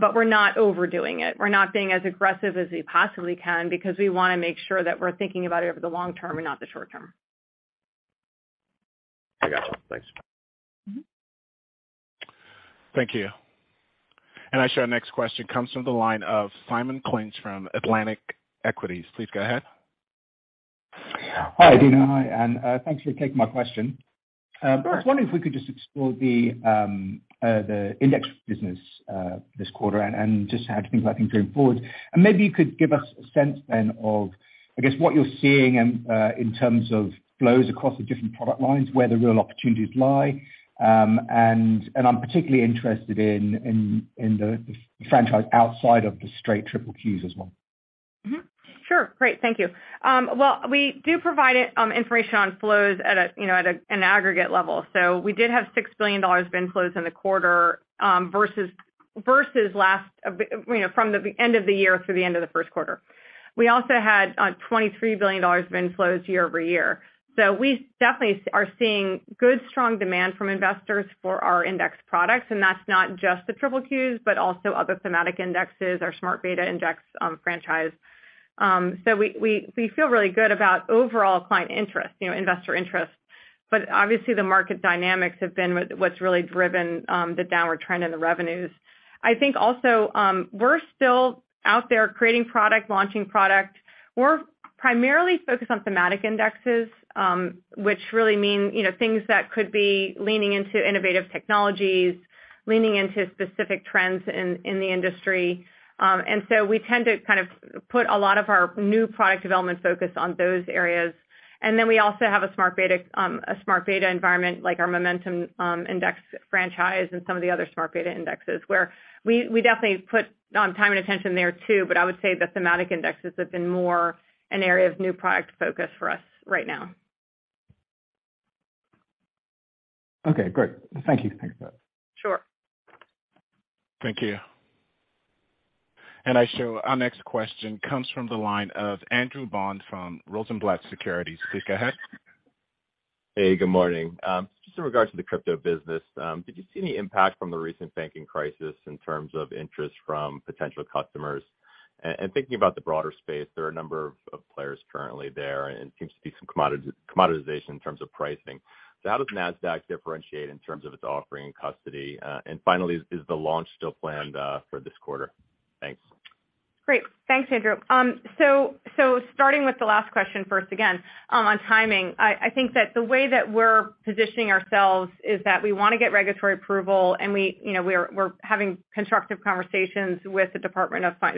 but we're not overdoing it. We're not being as aggressive as we possibly can because we wanna make sure that we're thinking about it over the long term and not the short term. I got it. Thanks. Mm-hmm. Thank you. Aisha, our next question comes from the line of Simon Clinch from Atlantic Equities. Please go ahead. Hi, Adena. Hi, Ann. Thanks for taking my question. I was wondering if we could just explore the index business this quarter and just how things are looking going forward. Maybe you could give us a sense then of, I guess, what you're seeing in terms of flows across the different product lines, where the real opportunities lie. I'm particularly interested in the franchise outside of the straight Triple Qs as well. Sure. Great. Thank you. Well, we do provide information on flows at an aggregate level. We did have $6 billion of inflows in the quarter, versus last, you know, from the end of the year through the end of the Q1. We also had $23 billion of inflows year-over-year. We definitely are seeing good, strong demand from investors for our index products, and that's not just the Triple Qs, but also other thematic indexes, our smart beta index, franchise. So we feel really good about overall client interest, you know, investor interest. Obviously the market dynamics have been what's really driven, the downward trend in the revenues. I think also, we're still out there creating product, launching product. We're primarily focused on thematic indexes, which really mean, you know, things that could be leaning into innovative technologies, leaning into specific trends in the industry. We tend to kind of put a lot of our new product development focus on those areas. We also have a smart beta, a smart beta environment like our momentum, index franchise and some of the other smart beta indexes where we definitely put time and attention there too, but I would say the thematic indexes have been more an area of new product focus for us right now. Okay, great. Thank you. Thanks for that. Sure. Thank you. Aisha, our next question comes from the line of Andrew Bond from Rosenblatt Securities. Please go ahead. Hey, good morning. Just in regards to the crypto business, did you see any impact from the recent banking crisis in terms of interest from potential customers? Thinking about the broader space, there are a number of players currently there, and it seems to be some commoditization in terms of pricing. How does Nasdaq differentiate in terms of its offering and custody? Finally, is the launch still planned for this quarter? Thanks. Great. Thanks, Andrew. Starting with the last question first again, on timing, I think that the way that we're positioning ourselves is that we wanna get regulatory approval, and we, you know, we're having constructive conversations with the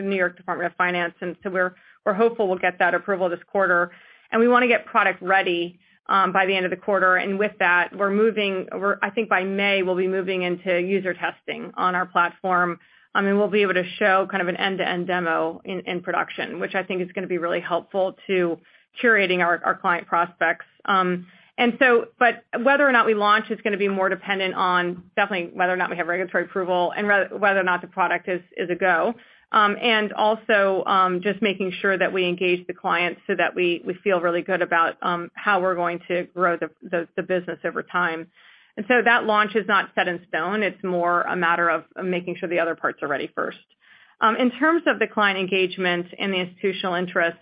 New York Department of Financial Services, and so we're hopeful we'll get that approval this quarter. We wanna get product ready, by the end of the quarter. With that, we're moving I think by May, we'll be moving into user testing on our platform, and we'll be able to show kind of an end-to-end demo in production, which I think is gonna be really helpful to curating our client prospects. Whether or not we launch is gonna be more dependent on definitely whether or not we have regulatory approval and whether or not the product is a go. Also, just making sure that we engage the clients so that we feel really good about how we're going to grow the business over time. That launch is not set in stone. It's more a matter of making sure the other parts are ready first. In terms of the client engagement and the institutional interest,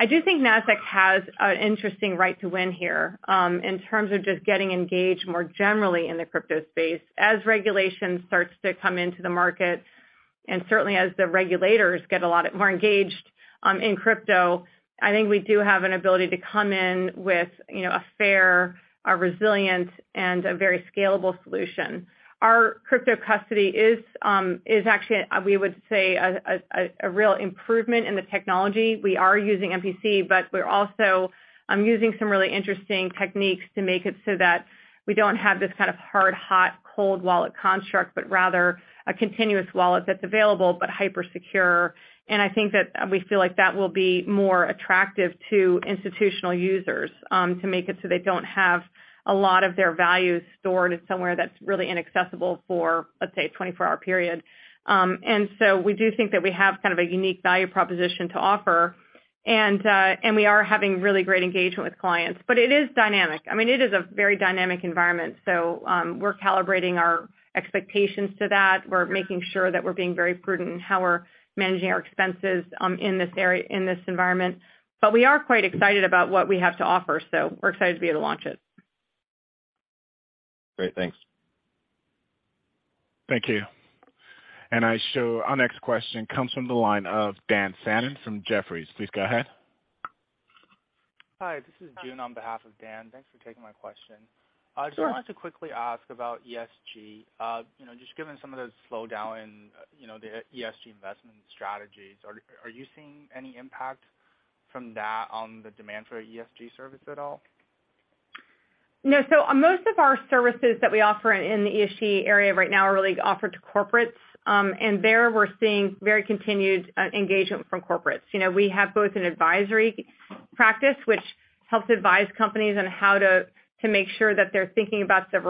I do think Nasdaq has an interesting right to win here in terms of just getting engaged more generally in the crypto space. As regulation starts to come into the market, and certainly as the regulators get a lot more engaged, in crypto, I think we do have an ability to come in with, you know, a fair, a resilient, and a very scalable solution. Our crypto custody is actually a real improvement in the technology. We are using MPC, but we're also using some really interesting techniques to make it so that we don't have this kind of hard, hot, cold wallet construct, but rather a continuous wallet that's available, but hyper secure. I think that we feel like that will be more attractive to institutional users, to make it so they don't have a lot of their values stored somewhere that's really inaccessible for, let's say, a 24-hour period. We do think that we have kind of a unique value proposition to offer, and we are having really great engagement with clients. It is dynamic. I mean, it is a very dynamic environment. We're calibrating our expectations to that. We're making sure that we're being very prudent in how we're managing our expenses, in this area, in this environment. We are quite excited about what we have to offer, so we're excited to be able to launch it. Great. Thanks. Thank you. Aisha, our next question comes from the line of Dan Salmon from Jefferies. Please go ahead. Hi, this is June on behalf of Dan. Thanks for taking my question. Sure. I just wanted to quickly ask about ESG. you know, just given some of the slowdown, you know, the ESG investment strategies, are you seeing any impact from that on the demand for ESG service at all? Most of our services that we offer in the ESG area right now are really offered to corporates. There, we're seeing very continued engagement from corporates. You know, we have both an advisory practice, which helps advise companies on how to make sure that they're thinking about their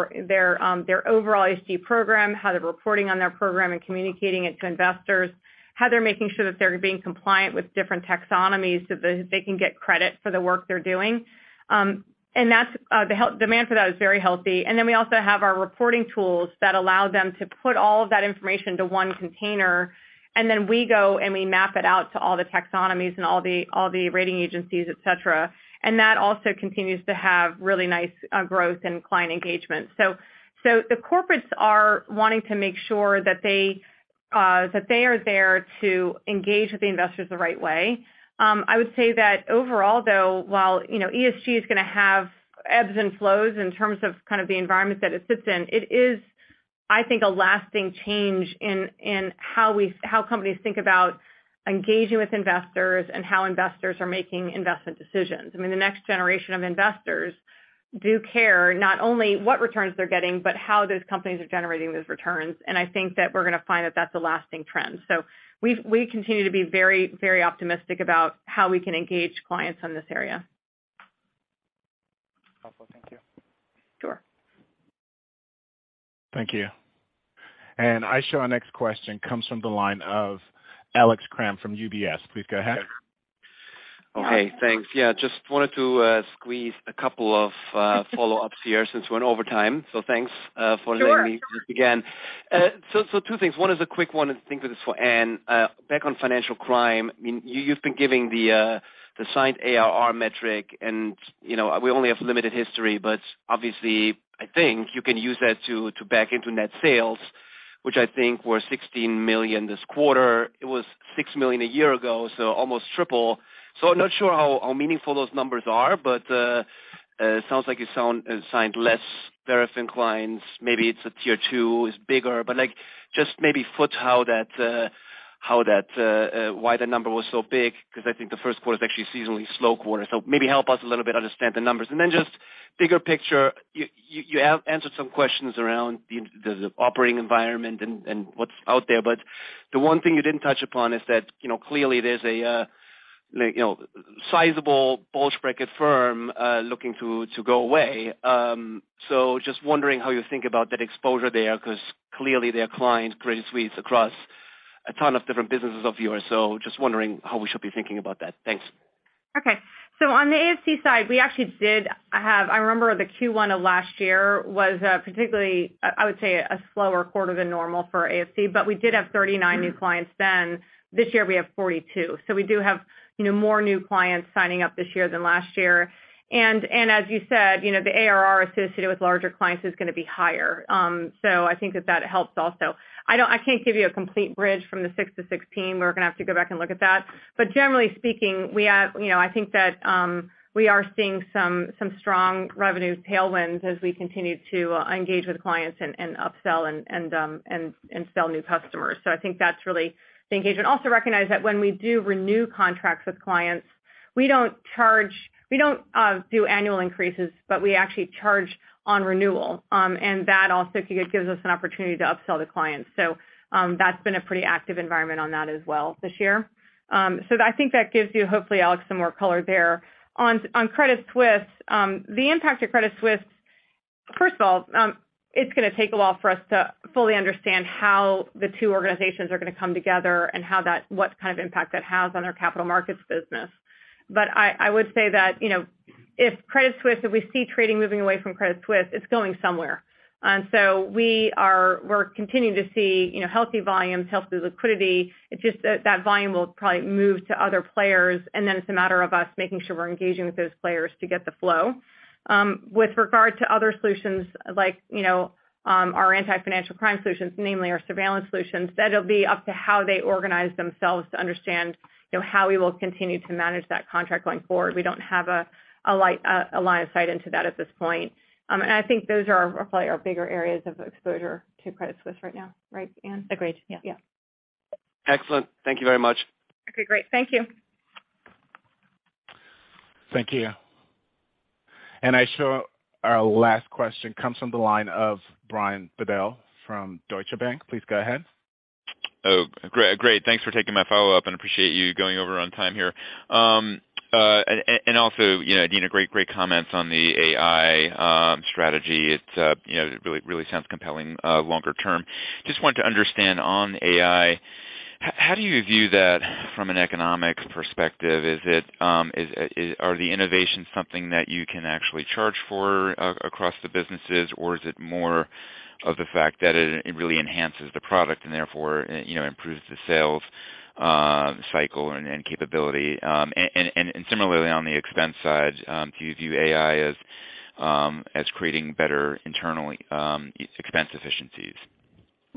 overall ESG program, how they're reporting on their program and communicating it to investors, how they're making sure that they're being compliant with different taxonomies so that they can get credit for the work they're doing. That's the demand for that is very healthy. Then we also have our reporting tools that allow them to put all of that information into one container, and then we go and we map it out to all the taxonomies and all the rating agencies, et cetera. That also continues to have really nice growth and client engagement. The corporates are wanting to make sure that they are there to engage with the investors the right way. I would say that overall, though, while, you know, ESG is gonna have ebbs and flows in terms of kind of the environment that it sits in, it is I think a lasting change in how companies think about engaging with investors and how investors are making investment decisions. I mean, the next generation of investors do care not only what returns they're getting, but how those companies are generating those returns. I think that we're gonna find that that's a lasting trend. We continue to be very, very optimistic about how we can engage clients in this area. Thank you. I show our next question comes from the line of Alex Kramm from UBS. Please go ahead. Okay, thanks. Yeah, just wanted to, squeeze a couple of, follow-ups here since we're in overtime. Thanks. Sure. join again. 2 things. one is a quick one, and I think this is for Ann. Back on financial crime, I mean, you've been giving the signed ARR metric and, you know, we only have limited history, but obviously, I think you can use that to back into net sales, which I think were $16 million this quarter. It was $6 million a year ago, almost triple. I'm not sure how meaningful those numbers are, but sounds like you signed less verified clients. Maybe it's a tier two is bigger, but, like, just maybe foot how that, why the number was so big because I think the Q1 is actually a seasonally slow quarter. Maybe help us a little bit understand the numbers. Just bigger picture, you have answered some questions around the operating environment and what's out there. The one thing you didn't touch upon is that, you know, clearly there's a like, you know, sizable bulge bracket firm looking to go away. Just wondering how you think about that exposure there, 'cause clearly their clients Credit Suisse across a ton of different businesses of yours. Just wondering how we should be thinking about that. Thanks. Okay. On the AFC side, we actually did have I remember the Q1 of last year was particularly I would say a slower quarter than normal for AFC, but we did have 39 new clients then. This year we have 42, we do have, you know, more new clients signing up this year than last year. As you said, you know, the ARR associated with larger clients is gonna be higher. I think that that helps also. I can't give you a complete bridge from the si to 16. We're gonna have to go back and look at that. Generally speaking, we have You know, I think that we are seeing some strong revenue tailwinds as we continue to engage with clients and upsell and sell new customers. I think that's really the engagement. Also recognize that when we do renew contracts with clients, we don't do annual increases, but we actually charge on renewal. And that also gives us an opportunity to upsell the clients. That's been a pretty active environment on that as well this year. I think that gives you, hopefully, Alex, some more color there. On Credit Suisse, the impact of Credit Suisse, first of all, it's gonna take a while for us to fully understand how the two organizations are gonna come together and what kind of impact that has on our capital markets business. I would say that, you know, if Credit Suisse, if we see trading moving away from Credit Suisse, it's going somewhere. We're continuing to see, you know, healthy volumes, healthy liquidity. It's just that that volume will probably move to other players, and then it's a matter of us making sure we're engaging with those players to get the flow. With regard to other solutions like, you know, our Anti-Financial Crime solutions, namely our surveillance solutions, that'll be up to how they organize themselves to understand, you know, how we will continue to manage that contract going forward. We don't have a light, a line of sight into that at this point. I think those are probably our bigger areas of exposure to Credit Suisse right now. Right, Ann? Agreed. Yeah. Yeah. Excellent. Thank you very much. Okay, great. Thank you. Thank you. Aisha, our last question comes from the line of Brian Bedell from Deutsche Bank. Please go ahead. Great. Thanks for taking my follow-up. Appreciate you going over on time here. Also, you know, Adena, great comments on the AI strategy. It, you know, really, really sounds compelling, longer term. Just wanted to understand on AI, how do you view that from an economics perspective? Are the innovations something that you can actually charge for across the businesses, or is it more of the fact that it really enhances the product and therefore, you know, improves the sales cycle and capability? Similarly, on the expense side, do you view AI as creating better internal expense efficiencies? Yeah,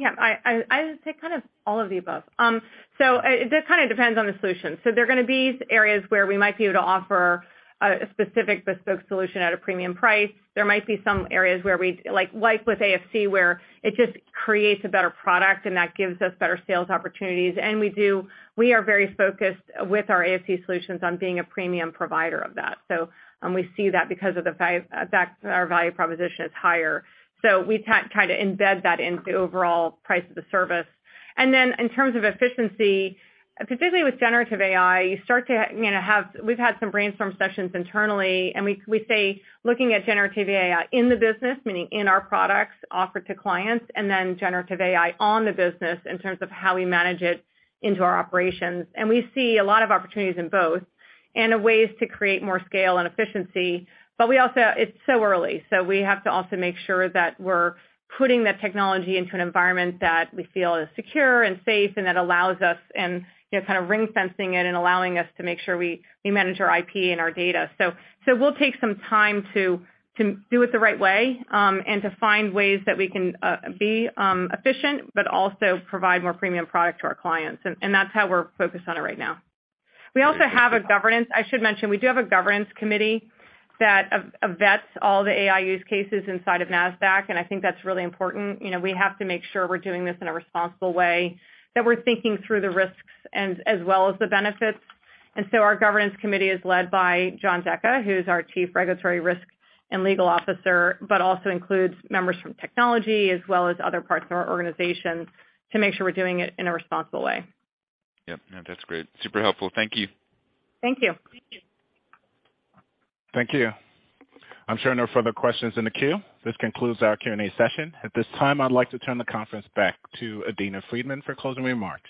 I would say kind of all of the above. That kind of depends on the solution. There are gonna be areas where we might be able to offer a specific bespoke solution at a premium price. There might be some areas where we like with AFC, where it just creates a better product and that gives us better sales opportunities. We are very focused with our AFC solutions on being a premium provider of that. We see that because of the that our value proposition is higher. We try to embed that into overall price of the service. In terms of efficiency, particularly with generative AI, you start to, you know, have... We've had some brainstorm sessions internally, and we say looking at generative AI in the business, meaning in our products offered to clients, and then generative AI on the business in terms of how we manage it into our operations. We see a lot of opportunities in both and ways to create more scale and efficiency. It's so early, so we have to also make sure that we're putting the technology into an environment that we feel is secure and safe and that allows us and, you know, kind of ring-fencing it and allowing us to make sure we manage our IP and our data. So we'll take some time to do it the right way, and to find ways that we can be efficient but also provide more premium product to our clients. That's how we're focused on it right now. I should mention, we do have a governance committee that vets all the AI use cases inside of Nasdaq, and I think that's really important. You know, we have to make sure we're doing this in a responsible way, that we're thinking through the risks as well as the benefits. Our governance committee is led by John Zecca, who's our Chief Regulatory Risk and Legal Officer, but also includes members from technology as well as other parts of our organization to make sure we're doing it in a responsible way. Yep. No, that's great. Super helpful. Thank you. Thank you. Thank you. I'm showing no further questions in the queue. This concludes our Q&A session. At this time, I'd like to turn the conference back to Adena Friedman for closing remarks.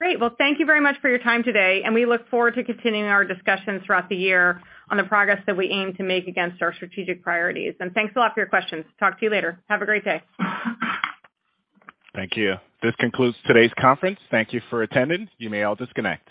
Great. Well, thank you very much for your time today. We look forward to continuing our discussions throughout the year on the progress that we aim to make against our strategic priorities. Thanks a lot for your questions. Talk to you later. Have a great day. Thank you. This concludes today's conference. Thank you for attending. You may all disconnect.